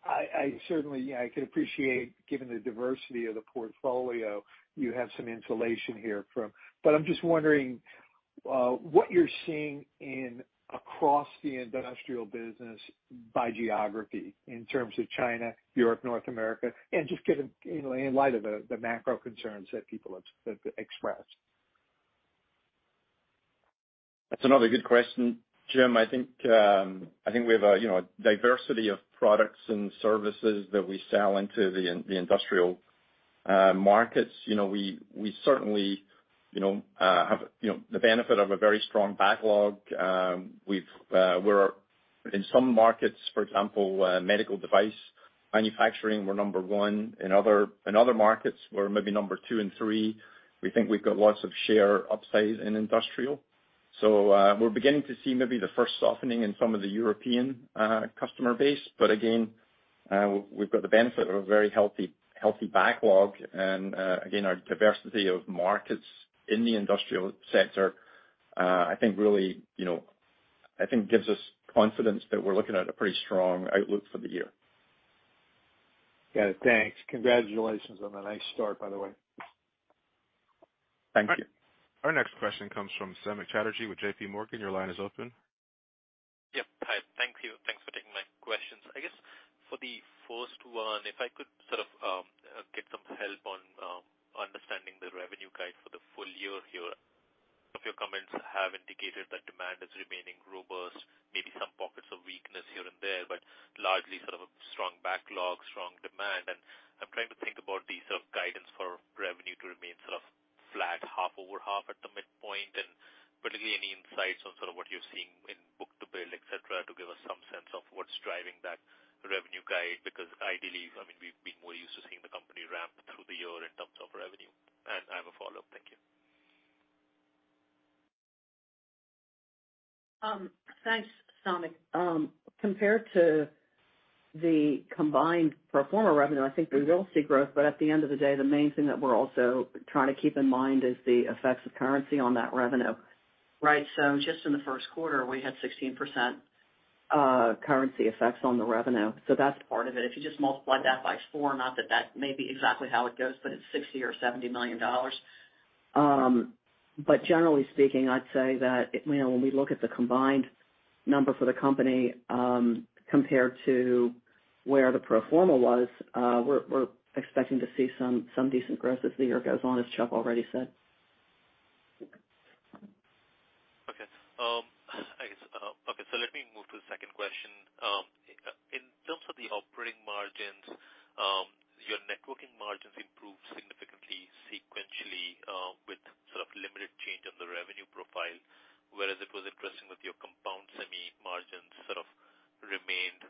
[SPEAKER 11] I certainly can appreciate given the diversity of the portfolio, you have some insulation here from. But I'm just wondering what you're seeing across the industrial business by geography in terms of China, Europe, North America, and just given, you know, in light of the macro concerns that people have expressed.
[SPEAKER 8] That's another good question, Jim. I think we have a diversity of products and services that we sell into the industrial markets. You know, we certainly have the benefit of a very strong backlog. We're in some markets, for example, medical device manufacturing we're number one. In other markets, we're maybe number two and three. We think we've got lots of share upside in industrial. We're beginning to see maybe the first softening in some of the European customer base. But again, we've got the benefit of a very healthy backlog. Again, our diversity of markets in the industrial sector I think really gives us confidence that we're looking at a pretty strong outlook for the year.
[SPEAKER 11] Yeah. Thanks. Congratulations on a nice start by the way.
[SPEAKER 8] Thank you.
[SPEAKER 1] Our next question comes from Samik Chatterjee with JPMorgan. Your line is open.
[SPEAKER 12] Yep. Hi. Thank you. Thanks for taking my questions. I guess for the first one, if I could sort of get some help on understanding the revenue guide for the full-year here. Some of your comments have indicated that demand is remaining robust, maybe some pockets of weakness here and there, but largely sort of a strong backlog, strong demand. I'm trying to think about the sort of guidance for revenue to remain sort of flat half-over-half at the midpoint. Particularly any insights on sort of what you're seeing in book-to-bill, et cetera, to give us some sense of what's driving that revenue guide. Because ideally, I mean, we've been more used to seeing the company ramp through the year in terms of revenue. I have a follow-up. Thank you.
[SPEAKER 2] Thanks, Samik. Compared to the combined pro forma revenue, I think we will see growth. At the end of the day, the main thing that we're also trying to keep in mind is the effects of currency on that revenue, right? Just in the first quarter, we had 16% currency effects on the revenue. That's part of it. If you just multiply that by four, not that that may be exactly how it goes, but it's $60 million or $70 million. Generally speaking, I'd say that, you know, when we look at the combined number for the company, compared to where the pro forma was, we're expecting to see some decent growth as the year goes on, as Chuck already said.
[SPEAKER 12] I guess let me move to the second question. In terms of the operating margins, your networking margins improved significantly sequentially, with sort of limited change in the revenue profile, whereas it was interesting with your compound semi margins sort of remained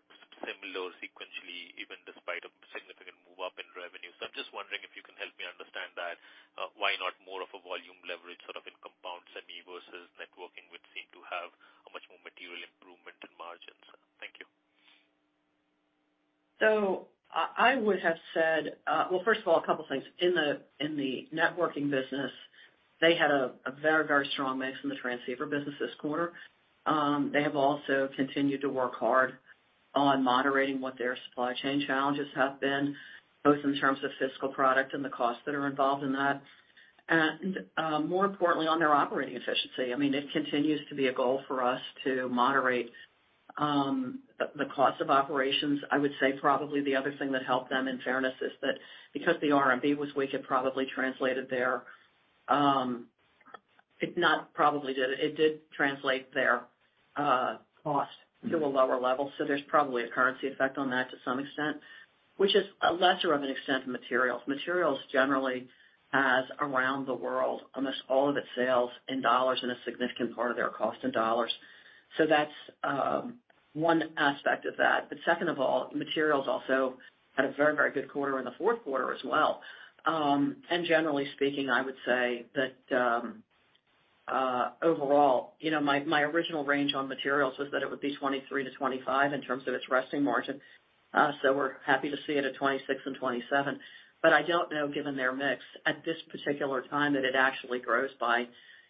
[SPEAKER 12] similar sequentially, even despite a significant move up in revenue. I'm just wondering if you can help me understand that, why not more of a volume leverage sort of in compound semi versus networking would seem to have a much more material improvement in margins. Thank you.
[SPEAKER 2] I would have said, well, first of all, a couple things. In the networking business, they had a very strong mix in the transceiver business this quarter. They have also continued to work hard on moderating what their supply chain challenges have been, both in terms of optical product and the costs that are involved in that. More importantly, on their operating efficiency. I mean, it continues to be a goal for us to moderate the cost of operations. I would say probably the other thing that helped them in fairness is that because the RMB was weak, it probably translated there. It did translate their cost to a lower level. There's probably a currency effect on that to some extent, which is a lesser of an extent than materials. Materials generally has around the world, almost all of its sales in dollars and a significant part of their cost in dollars. That's one aspect of that. Second of all, materials also had a very, very good quarter in the fourth quarter as well. Generally speaking, I would say that overall, you know, my original range on materials was that it would be 23%-25% in terms of its gross margin. We're happy to see it at 26%-27%. I don't know, given their mix at this particular time, that it actually grows by,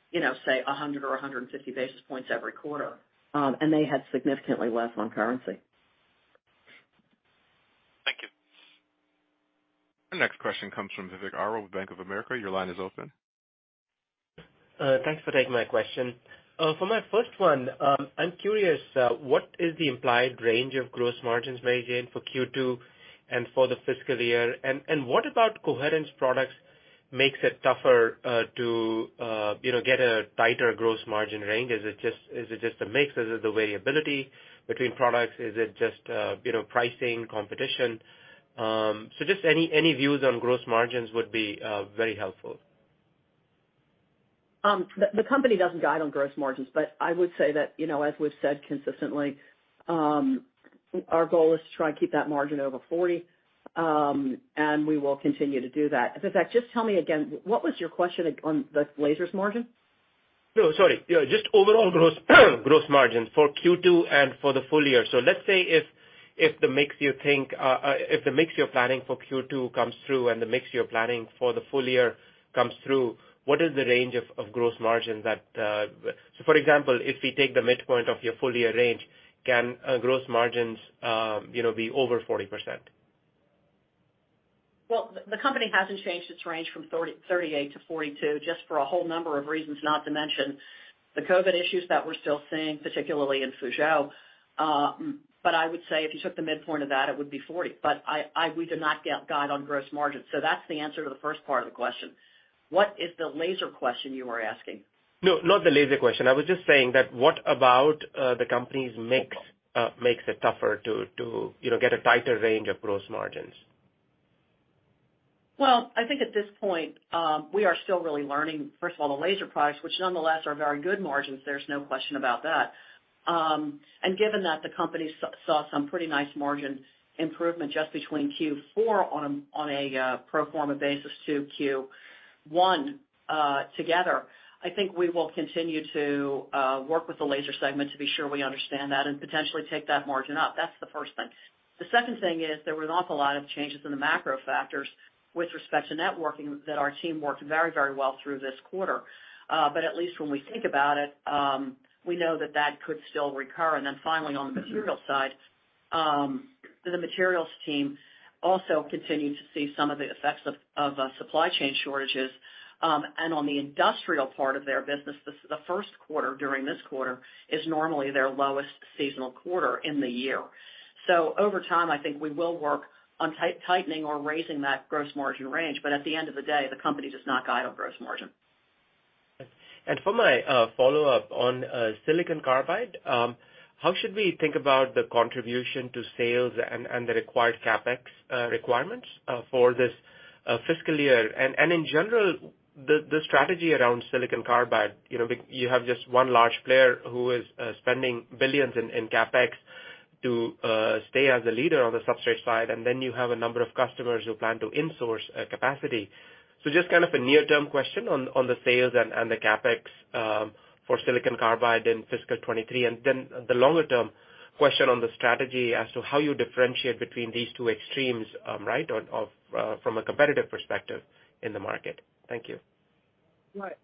[SPEAKER 2] you know, say 100 or 150 basis points every quarter, and they had significantly less on currency.
[SPEAKER 12] Thank you.
[SPEAKER 1] Our next question comes from Vivek Arya with Bank of America. Your line is open.
[SPEAKER 13] Thanks for taking my question. For my first one, I'm curious, what is the implied range of gross margins, Mary Jane, for Q2 and for the fiscal year? What about Coherent's products makes it tougher to you know get a tighter gross margin range? Is it just the mix? Is it the variability between products? Is it just you know pricing, competition? Just any views on gross margins would be very helpful.
[SPEAKER 2] The company doesn't guide on gross margins, but I would say that, you know, as we've said consistently, our goal is to try and keep that margin over 40%, and we will continue to do that. Vivek, just tell me again, what was your question on the lasers margin?
[SPEAKER 13] No, sorry. Yeah, just overall gross margin for Q2 and for the full-year. Let's say if the mix you're planning for Q2 comes through and the mix you're planning for the full-year comes through, what is the range of gross margins? For example, if we take the midpoint of your full-year range, can gross margins you know be over 40%?
[SPEAKER 2] Well, the company hasn't changed its range from 38%-42%, just for a whole number of reasons, not to mention the COVID issues that we're still seeing, particularly in Fuzhou. I would say if you took the midpoint of that, it would be 40%. We do not guide on gross margins. That's the answer to the first part of the question. What is the laser question you were asking?
[SPEAKER 13] No, not the laser question. I was just saying that what about the company's mix makes it tougher to you know get a tighter range of gross margins?
[SPEAKER 2] Well, I think at this point, we are still really learning, first of all, the laser products, which nonetheless are very good margins. There's no question about that. And given that the company saw some pretty nice margin improvement just between Q4 on a pro forma basis to Q1, together, I think we will continue to work with the laser segment to be sure we understand that and potentially take that margin up. That's the first thing. The second thing is there was an awful lot of changes in the macro factors with respect to networking that our team worked very, very well through this quarter. At least when we think about it, we know that that could still recur. Finally, on the materials side, the materials team also continued to see some of the effects of supply chain shortages, and on the industrial part of their business, the first quarter during this quarter is normally their lowest seasonal quarter in the year. Over time, I think we will work on tightening or raising that gross margin range, but at the end of the day, the company does not guide on gross margin.
[SPEAKER 13] For my follow-up on silicon carbide, how should we think about the contribution to sales and the required CapEx requirements for this fiscal year? In general, the strategy around silicon carbide. You know, you have just one large player who is spending billions in CapEx to stay as a leader on the substrate side, and then you have a number of customers who plan to insource capacity. Just kind of a near-term question on the sales and the CapEx for silicon carbide in fiscal year 2023. Then the longer-term question on the strategy as to how you differentiate between these two extremes, right? From a competitive perspective in the market. Thank you.
[SPEAKER 2] Right.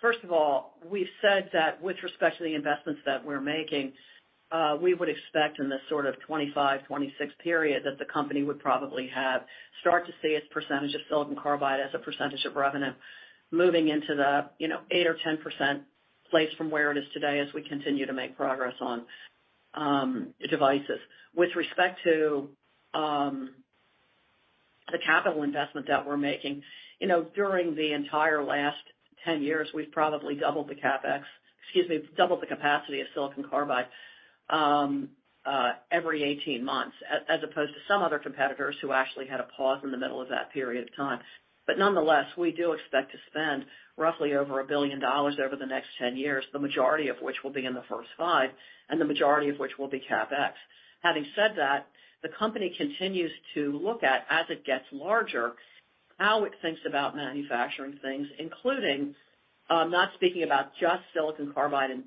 [SPEAKER 2] First of all, we've said that with respect to the investments that we're making, we would expect in this sort of 2025, 2026 period that the company would probably have start to see its percentage of silicon carbide as a percentage of revenue moving into the, you know, 8% or 10% place from where it is today as we continue to make progress on, devices. With respect to, the capital investment that we're making, you know, during the entire last 10 years, we've probably doubled the CapEx, excuse me, doubled the capacity of silicon carbide, every 18 months, as opposed to some other competitors who actually had a pause in the middle of that period of time. Nonetheless, we do expect to spend roughly over $1 billion over the next 10 years, the majority of which will be in the first five, and the majority of which will be CapEx. Having said that, the company continues to look at, as it gets larger, how it thinks about manufacturing things, including, not speaking about just silicon carbide in,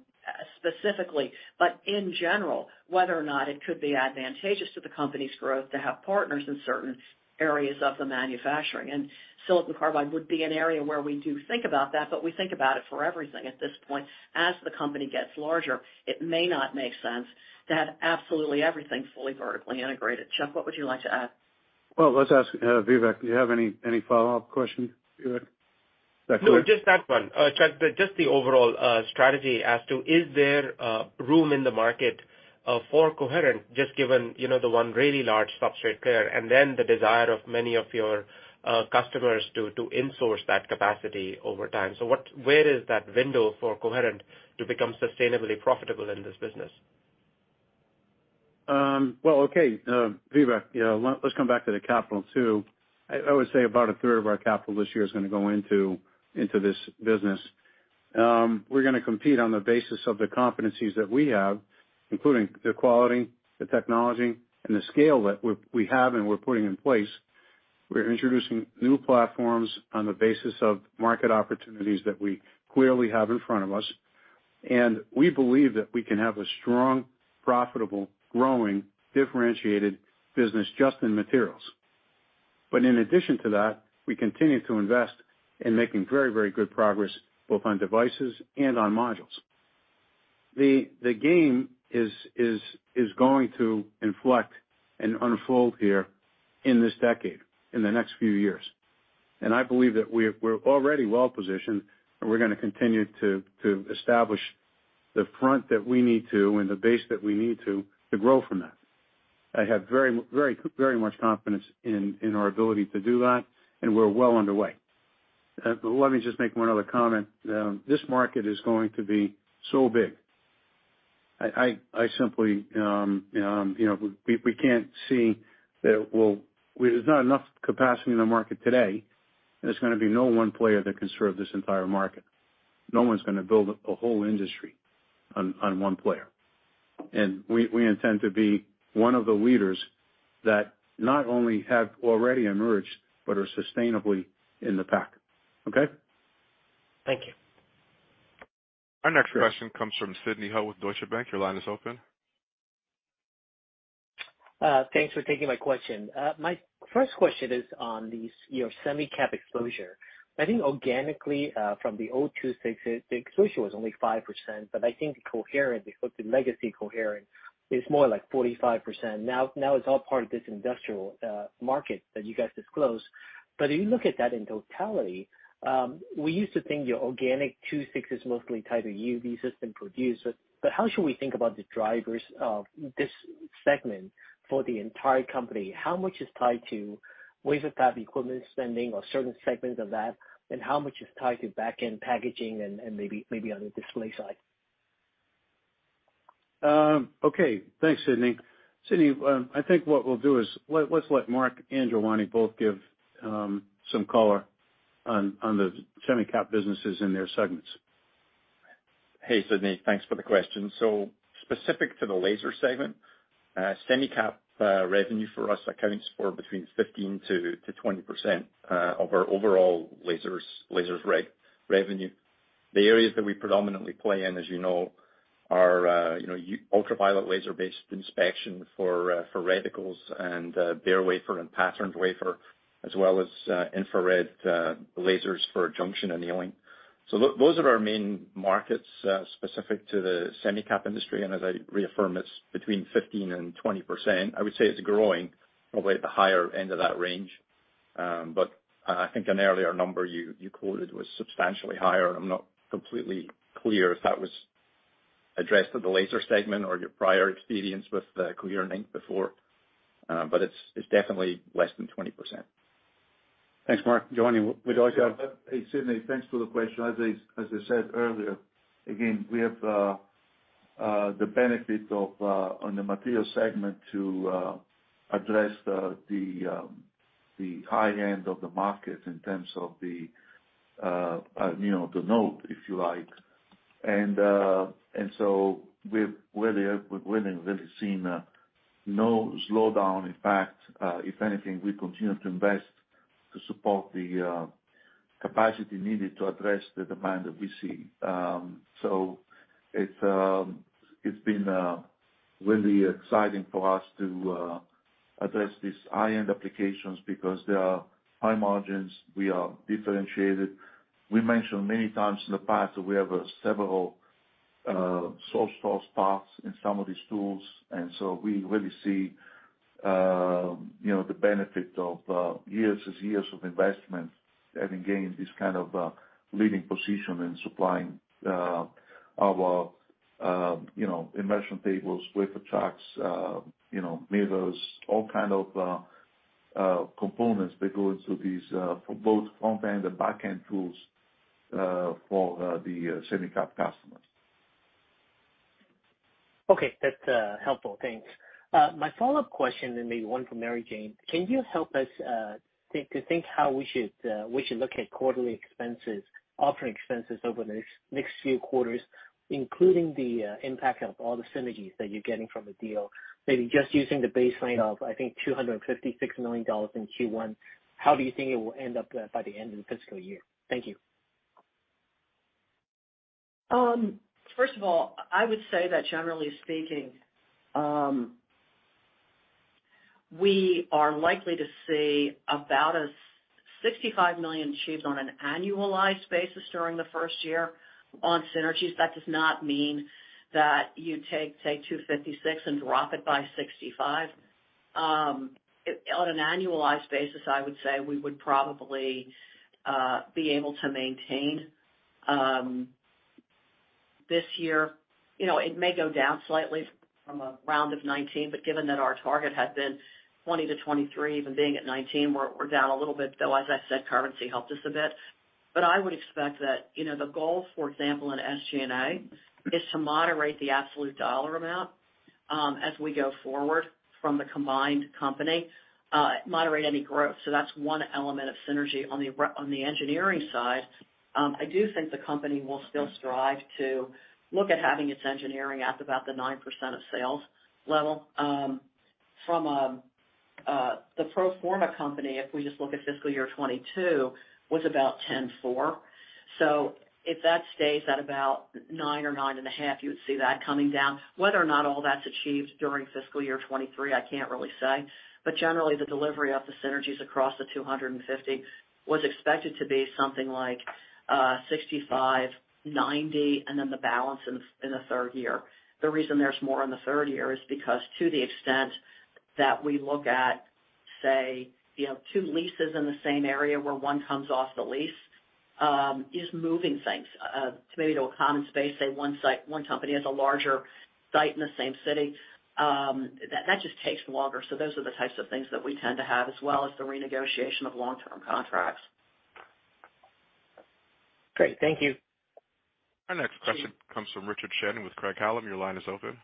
[SPEAKER 2] specifically, but in general, whether or not it could be advantageous to the company's growth to have partners in certain areas of the manufacturing. Silicon carbide would be an area where we do think about that, but we think about it for everything at this point. As the company gets larger, it may not make sense to have absolutely everything fully vertically integrated. Chuck, what would you like to add?
[SPEAKER 3] Well, let's ask Vivek. Do you have any follow-up questions, Vivek?
[SPEAKER 13] No, just that one. Chuck, just the overall strategy as to, is there room in the market for Coherent just given, you know, the one really large substrate player and then the desire of many of your customers to insource that capacity over time. Where is that window for Coherent to become sustainably profitable in this business?
[SPEAKER 3] Well, okay, Vivek, yeah, let's come back to the capital too. I would say about a third of our capital this year is gonna go into this business. We're gonna compete on the basis of the competencies that we have, including the quality, the technology, and the scale that we have and we're putting in place. We're introducing new platforms on the basis of market opportunities that we clearly have in front of us. We believe that we can have a strong, profitable, growing, differentiated business just in materials. But in addition to that, we continue to invest in making very, very good progress both on devices and on modules. The game is going to inflect and unfold here in this decade, in the next few years. I believe that we're already well positioned, and we're gonna continue to establish the front that we need to and the base that we need to grow from that. I have very, very much confidence in our ability to do that, and we're well underway. Let me just make one other comment. This market is going to be so big. I simply, you know, we can't see that it will. There's not enough capacity in the market today. There's gonna be no one player that can serve this entire market. No one's gonna build a whole industry on one player. We intend to be one of the leaders that not only have already emerged but are sustainably in the pack. Okay?
[SPEAKER 13] Thank you.
[SPEAKER 1] Our next question comes from Sidney Ho with Deutsche Bank. Your line is open.
[SPEAKER 14] Thanks for taking my question. My first question is on these, your semi cap exposure. I think organically, from the II-VI exposure was only 5%, but I think Coherent, the Legacy Coherent is more like 45%. Now it's all part of this industrial market that you guys disclose. But if you look at that in totality, we used to think your organic II-VI is mostly tied to UV system producers. But how should we think about the drivers of this segment for the entire company? How much is tied to wafer fab equipment spending or certain segments of that, and how much is tied to back-end packaging and maybe on the display side?
[SPEAKER 3] Okay. Thanks, Sidney. Sidney, I think what we'll do is let's let Mark and Giovanni both give some color on the semi cap businesses in their segments.
[SPEAKER 8] Hey, Sidney. Thanks for the question. Specific to the laser segment, semi cap revenue for us accounts for between 15%-20% of our overall lasers revenue. The areas that we predominantly play in, as you know, are you know, ultraviolet laser-based inspection for reticles and bare wafer and patterned wafer, as well as infrared lasers for junction annealing. Those are our main markets specific to the semi cap industry. As I reaffirm, it's between 15%-20%. I would say it's growing probably at the higher end of that range. But I think an earlier number you quoted was substantially higher. I'm not completely clear if that was addressed to the laser segment or your prior experience with Coherent, Inc. before. It's definitely less than 20%.
[SPEAKER 3] Thanks, Mark. Giovanni, would you like to?
[SPEAKER 6] Yeah. Hey, Sidney. Thanks for the question. As I said earlier, again, we have the benefit of on the materials segment to address the high end of the market in terms of the you know the node, if you like. We've really seen no slowdown. In fact, if anything, we continue to invest to support the capacity needed to address the demand that we see. So it's been really exciting for us to address these high-end applications because they are high margins. We are differentiated. We mentioned many times in the past that we have several sole source parts in some of these tools. We really see, you know, the benefit of years and years of investment, having gained this kind of leading position in supplying our, you know, immersion tables, wafer tracks, you know, mirrors, all kind of components that go into these for both front-end and the back-end tools for the semi cap customers.
[SPEAKER 14] Okay. That's helpful. Thanks. My follow-up question, and maybe one for Mary Jane, can you help us think how we should look at quarterly expenses, operating expenses over the next few quarters, including the impact of all the synergies that you're getting from the deal? Maybe just using the baseline of, I think, $256 million in Q1, how do you think it will end up by the end of the fiscal year? Thank you.
[SPEAKER 2] First of all, I would say that generally speaking, we are likely to see about a $65 million achieved on an annualized basis during the first year on synergies. That does not mean that you take $256 million and drop it by $65 million. On an annualized basis, I would say we would probably be able to maintain this year. You know, it may go down slightly from around 19, but given that our target had been 20-23, even being at 19, we're down a little bit, though as I said, currency helped us a bit. I would expect that the goal, for example, in SG&A, is to moderate the absolute dollar amount, as we go forward from the combined company, moderate any growth. That's one element of synergy on the engineering side. I do think the company will still strive to look at having its engineering at about the 9% of sales level. From the pro forma company, if we just look at fiscal year 2022, was about 10.4. If that stays at about nine or 9.5, you would see that coming down. Whether or not all that's achieved during fiscal year 2023, I can't really say. Generally, the delivery of the synergies across the $250 million was expected to be something like $65 milion, $90 million, and then the balance in the third year. The reason there's more in the third year is because to the extent that we look at, say, you have two leases in the same area where one comes off the lease, is moving things to maybe a common space, say one site, one company has a larger site in the same city, that just takes longer. Those are the types of things that we tend to have, as well as the renegotiation of long-term contracts.
[SPEAKER 14] Great. Thank you.
[SPEAKER 1] Our next question comes from Richard Shannon with Craig-Hallum. Your line is open.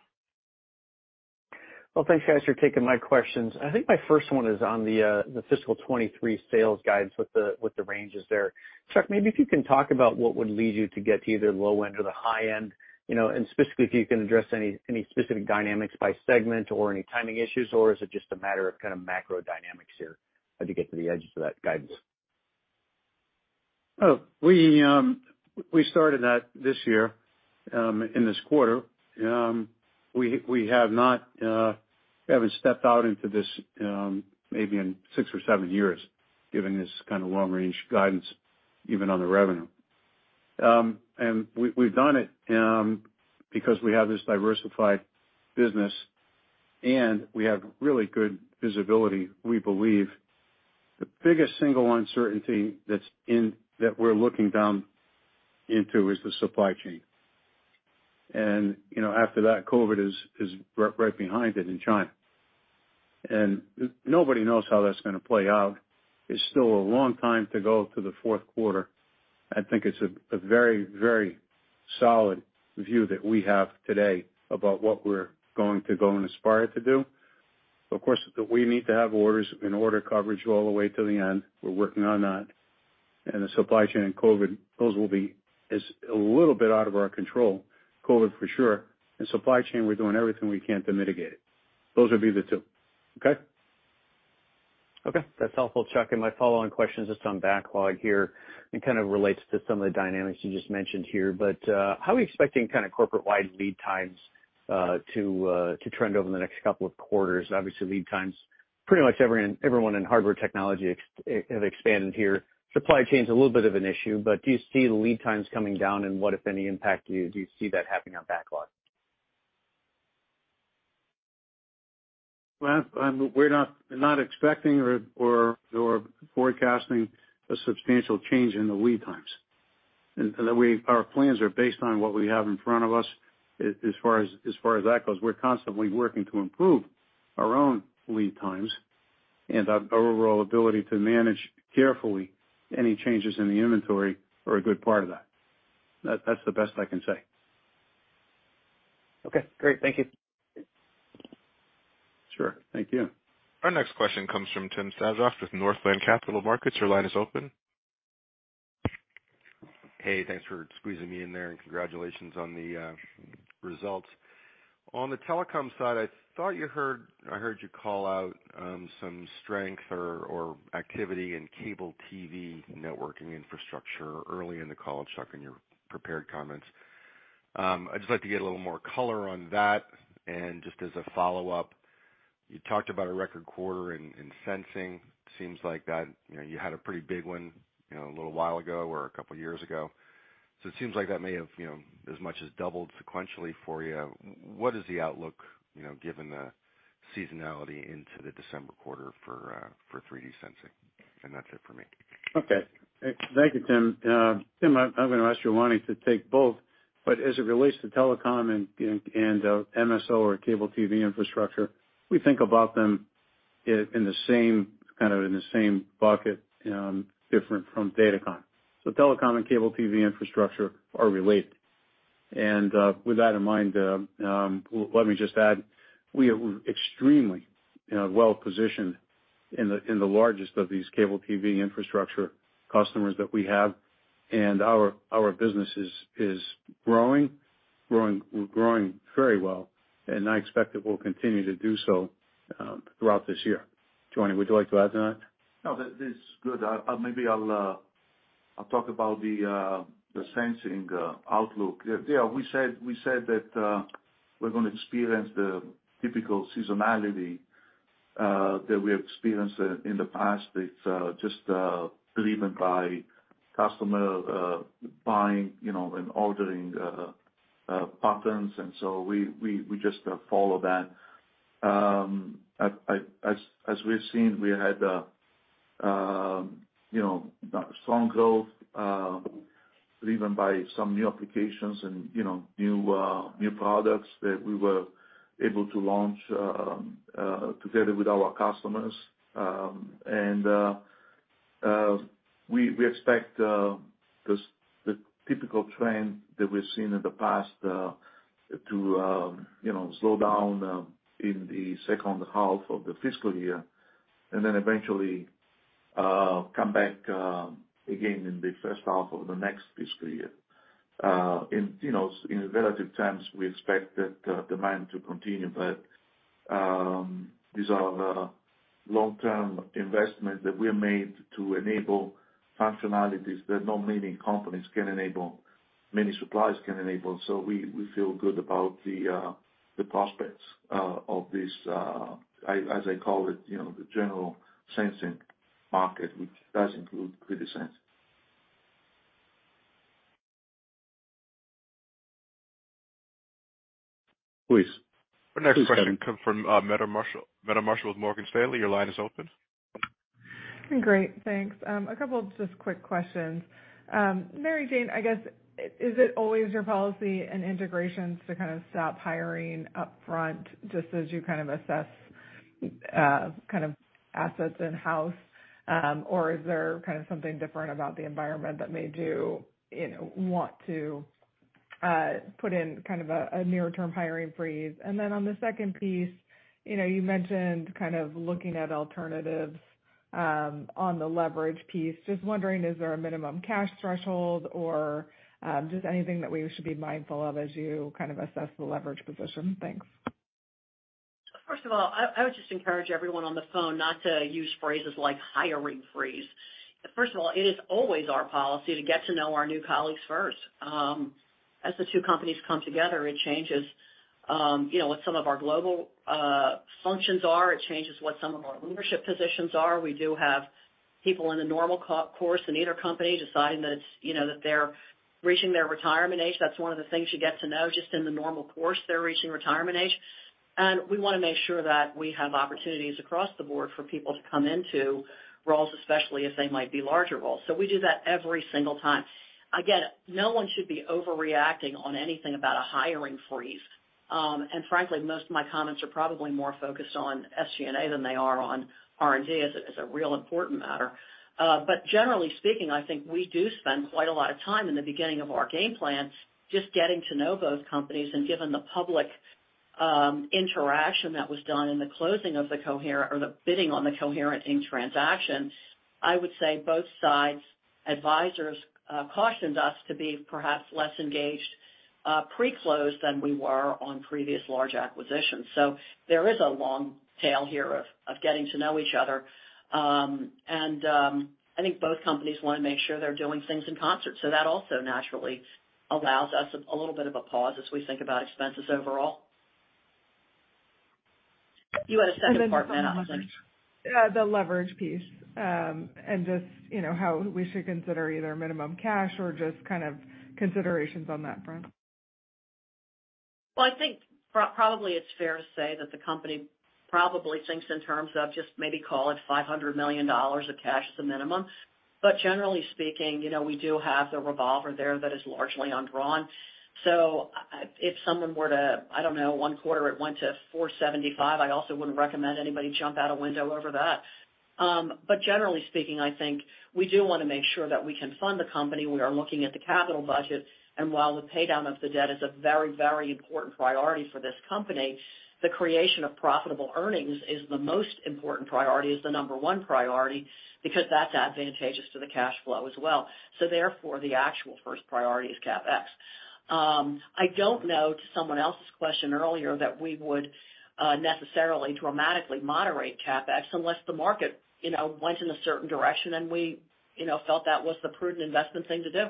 [SPEAKER 15] Well, thanks guys for taking my questions. I think my first one is on the fiscal year 2023 sales guidance with the ranges there. Chuck, maybe if you can talk about what would lead you to get to either low end or the high end, you know, and specifically, if you can address any specific dynamics by segment or any timing issues, or is it just a matter of kind of macro dynamics here as you get to the edges of that guidance?
[SPEAKER 3] Oh, we started that this year, in this quarter. We haven't stepped out into this, maybe in six or seven years, giving this kind of long-range guidance, even on the revenue. We've done it because we have this diversified business, and we have really good visibility, we believe. The biggest single uncertainty that we're looking down into is the supply chain. You know, after that, COVID is right behind it in China. Nobody knows how that's gonna play out. It's still a long time to go to the fourth quarter. I think it's a very solid view that we have today about what we're going to go and aspire to do. Of course, we need to have orders and order coverage all the way to the end. We're working on that. The supply chain and COVID, those is a little bit out of our control. COVID for sure. Supply chain, we're doing everything we can to mitigate it. Those would be the two. Okay?
[SPEAKER 15] Okay. That's helpful, Chuck. My follow-on question is just on backlog here and kind of relates to some of the dynamics you just mentioned here. How are we expecting kind of corporate-wide lead times to trend over the next couple of quarters? Obviously, lead times, pretty much everyone in hardware technology have expanded here. Supply chain is a little bit of an issue, but do you see the lead times coming down, and what, if any, impact do you see that having on backlog?
[SPEAKER 3] Well, we're not expecting or forecasting a substantial change in the lead times. The way our plans are based on what we have in front of us as far as that goes, we're constantly working to improve our own lead times, and our overall ability to manage carefully any changes in the inventory are a good part of that. That's the best I can say.
[SPEAKER 15] Okay, great. Thank you.
[SPEAKER 3] Sure. Thank you.
[SPEAKER 1] Our next question comes from Tim Savageaux with Northland Capital Markets. Your line is open.
[SPEAKER 16] Hey, thanks for squeezing me in there, and congratulations on the results. On the telecom side, I thought I heard you call out some strength or activity in cable TV networking infrastructure early in the call, Chuck, in your prepared comments. I'd just like to get a little more color on that. Just as a follow-up, you talked about a record quarter in sensing. Seems like that, you know, you had a pretty big one, you know, a little while ago or a couple of years ago. It seems like that may have, you know, as much as doubled sequentially for you. What is the outlook, you know, given the seasonality into the December quarter for 3D sensing? That's it for me.
[SPEAKER 3] Okay. Thank you, Tim. Tim, I'm gonna ask Giovanni to take both, but as it relates to telecom and MSO or cable TV infrastructure, we think about them in the same kind of in the same bucket, different from datacom. Telecom and cable TV infrastructure are related. With that in mind, let me just add, we are extremely, you know, well-positioned in the largest of these cable TV infrastructure customers that we have, and our business is growing very well, and I expect it will continue to do so throughout this year. Giovanni, would you like to add to that?
[SPEAKER 6] No, that is good. Maybe I'll talk about the sensing outlook. Yeah, we said that we're gonna experience the typical seasonality that we experienced in the past. It's just driven by customer buying, you know, and ordering patterns. We just follow that. As we've seen, we had, you know, strong growth driven by some new applications and, you know, new products that we were able to launch together with our customers. We expect the typical trend that we've seen in the past to, you know, slow down in the second half of the fiscal year, and then eventually come back again in the first half of the next fiscal year. In, you know, in relative terms, we expect the demand to continue, but these are long-term investments that we have made to enable functionalities that not many companies can enable, many suppliers can enable. We feel good about the prospects of this, as I call it, you know, the general sensing market, which does include 3D sensing.
[SPEAKER 1] Our next question comes from Meta Marshall. Meta Marshall with Morgan Stanley, your line is open.
[SPEAKER 17] Great. Thanks. A couple of just quick questions. Mary Jane, I guess, is it always your policy in integrations to kind of stop hiring up front just as you kind of assess kind of assets in-house, or is there kind of something different about the environment that made you know, want to put in kind of a near-term hiring freeze? On the second piece, you know, you mentioned kind of looking at alternatives on the leverage piece. Just wondering, is there a minimum cash threshold or just anything that we should be mindful of as you kind of assess the leverage position? Thanks.
[SPEAKER 2] First of all, I would just encourage everyone on the phone not to use phrases like hiring freeze. First of all, it is always our policy to get to know our new colleagues first. As the two companies come together, it changes, you know, what some of our global functions are. It changes what some of our leadership positions are. We do have people in the normal course in either company deciding that, you know, that they're reaching their retirement age. That's one of the things you get to know just in the normal course, they're reaching retirement age. We wanna make sure that we have opportunities across the board for people to come into roles, especially as they might be larger roles. We do that every single time. Again, no one should be overreacting on anything about a hiring freeze. Frankly, most of my comments are probably more focused on SG&A than they are on R&D as a real important matter. Generally speaking, I think we do spend quite a lot of time in the beginning of our game plans just getting to know both companies. Given the public interaction that was done in the closing of the Coherent or the bidding on the Coherent, Inc. transaction, I would say both sides' advisors cautioned us to be perhaps less engaged pre-close than we were on previous large acquisitions. There is a long tail here of getting to know each other. I think both companies wanna make sure they're doing things in concert. That also naturally allows us a little bit of a pause as we think about expenses overall. You had a second part, Meta, I think.
[SPEAKER 17] Yeah, the leverage piece, and just, you know, how we should consider either minimum cash or just kind of considerations on that front?
[SPEAKER 2] Well, I think probably it's fair to say that the company probably thinks in terms of just maybe call it $500 million of cash as a minimum. Generally speaking, you know, we do have the revolver there that is largely undrawn. If someone were to, I don't know, one quarter it went to $475 million, I also wouldn't recommend anybody jump out a window over that. Generally speaking, I think we do wanna make sure that we can fund the company. We are looking at the capital budget, and while the pay down of the debt is a very, very important priority for this company, the creation of profitable earnings is the most important priority, is the number one priority, because that's advantageous to the cash flow as well. Therefore, the actual first priority is CapEx. I don't know, to someone else's question earlier, that we would necessarily dramatically moderate CapEx unless the market, you know, went in a certain direction and we, you know, felt that was the prudent investment thing to do.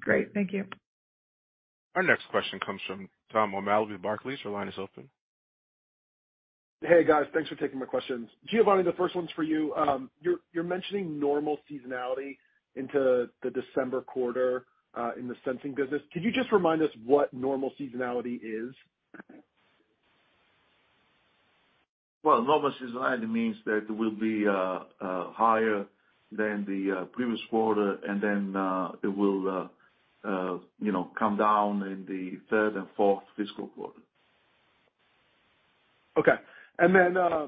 [SPEAKER 17] Great. Thank you.
[SPEAKER 1] Our next question comes from Tom O'Malley with Barclays. Your line is open.
[SPEAKER 18] Hey, guys. Thanks for taking my questions. Giovanni, the first one's for you. You're mentioning normal seasonality into the December quarter in the sensing business. Could you just remind us what normal seasonality is?
[SPEAKER 6] Well, normal seasonality means that it will be higher than the previous quarter, and then it will, you know, come down in the third and fourth fiscal quarter.
[SPEAKER 18] Okay.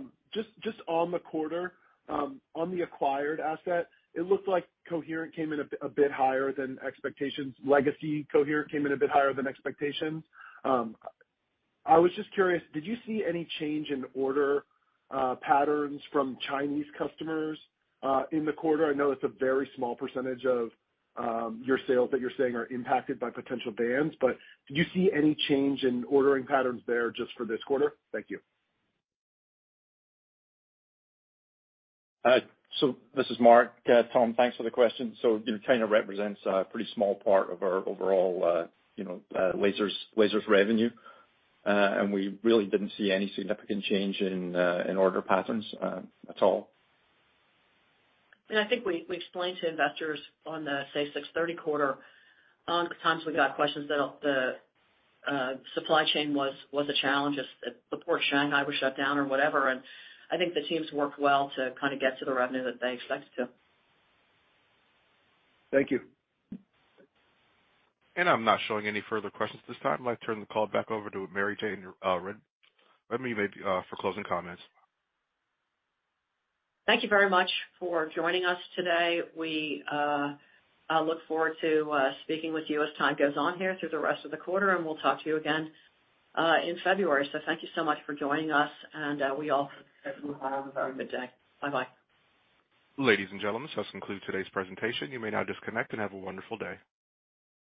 [SPEAKER 18] Just on the quarter, on the acquired asset, it looked like Coherent came in a bit higher than expectations. Legacy Coherent came in a bit higher than expectations. I was just curious, did you see any change in order patterns from Chinese customers in the quarter? I know it's a very small percentage of your sales that you're saying are impacted by potential bans, but did you see any change in ordering patterns there just for this quarter? Thank you.
[SPEAKER 8] This is Mark. Tom, thanks for the question. China represents a pretty small part of our overall, you know, lasers revenue. We really didn't see any significant change in in order patterns at all.
[SPEAKER 2] I think we explained to investors on the, say, third quarter, at times we got questions that the supply chain was a challenge as the Port of Shanghai was shut down or whatever. I think the teams worked well to kinda get to the revenue that they expected to.
[SPEAKER 18] Thank you.
[SPEAKER 1] I'm not showing any further questions at this time. I'd like to turn the call back over to Mary Jane Raymond for closing comments.
[SPEAKER 2] Thank you very much for joining us today. We look forward to speaking with you as time goes on here through the rest of the quarter, and we'll talk to you again in February. Thank you so much for joining us, and we all hope you have a very good day. Bye-bye.
[SPEAKER 1] Ladies and gentlemen, this concludes today's presentation. You may now disconnect and have a wonderful day.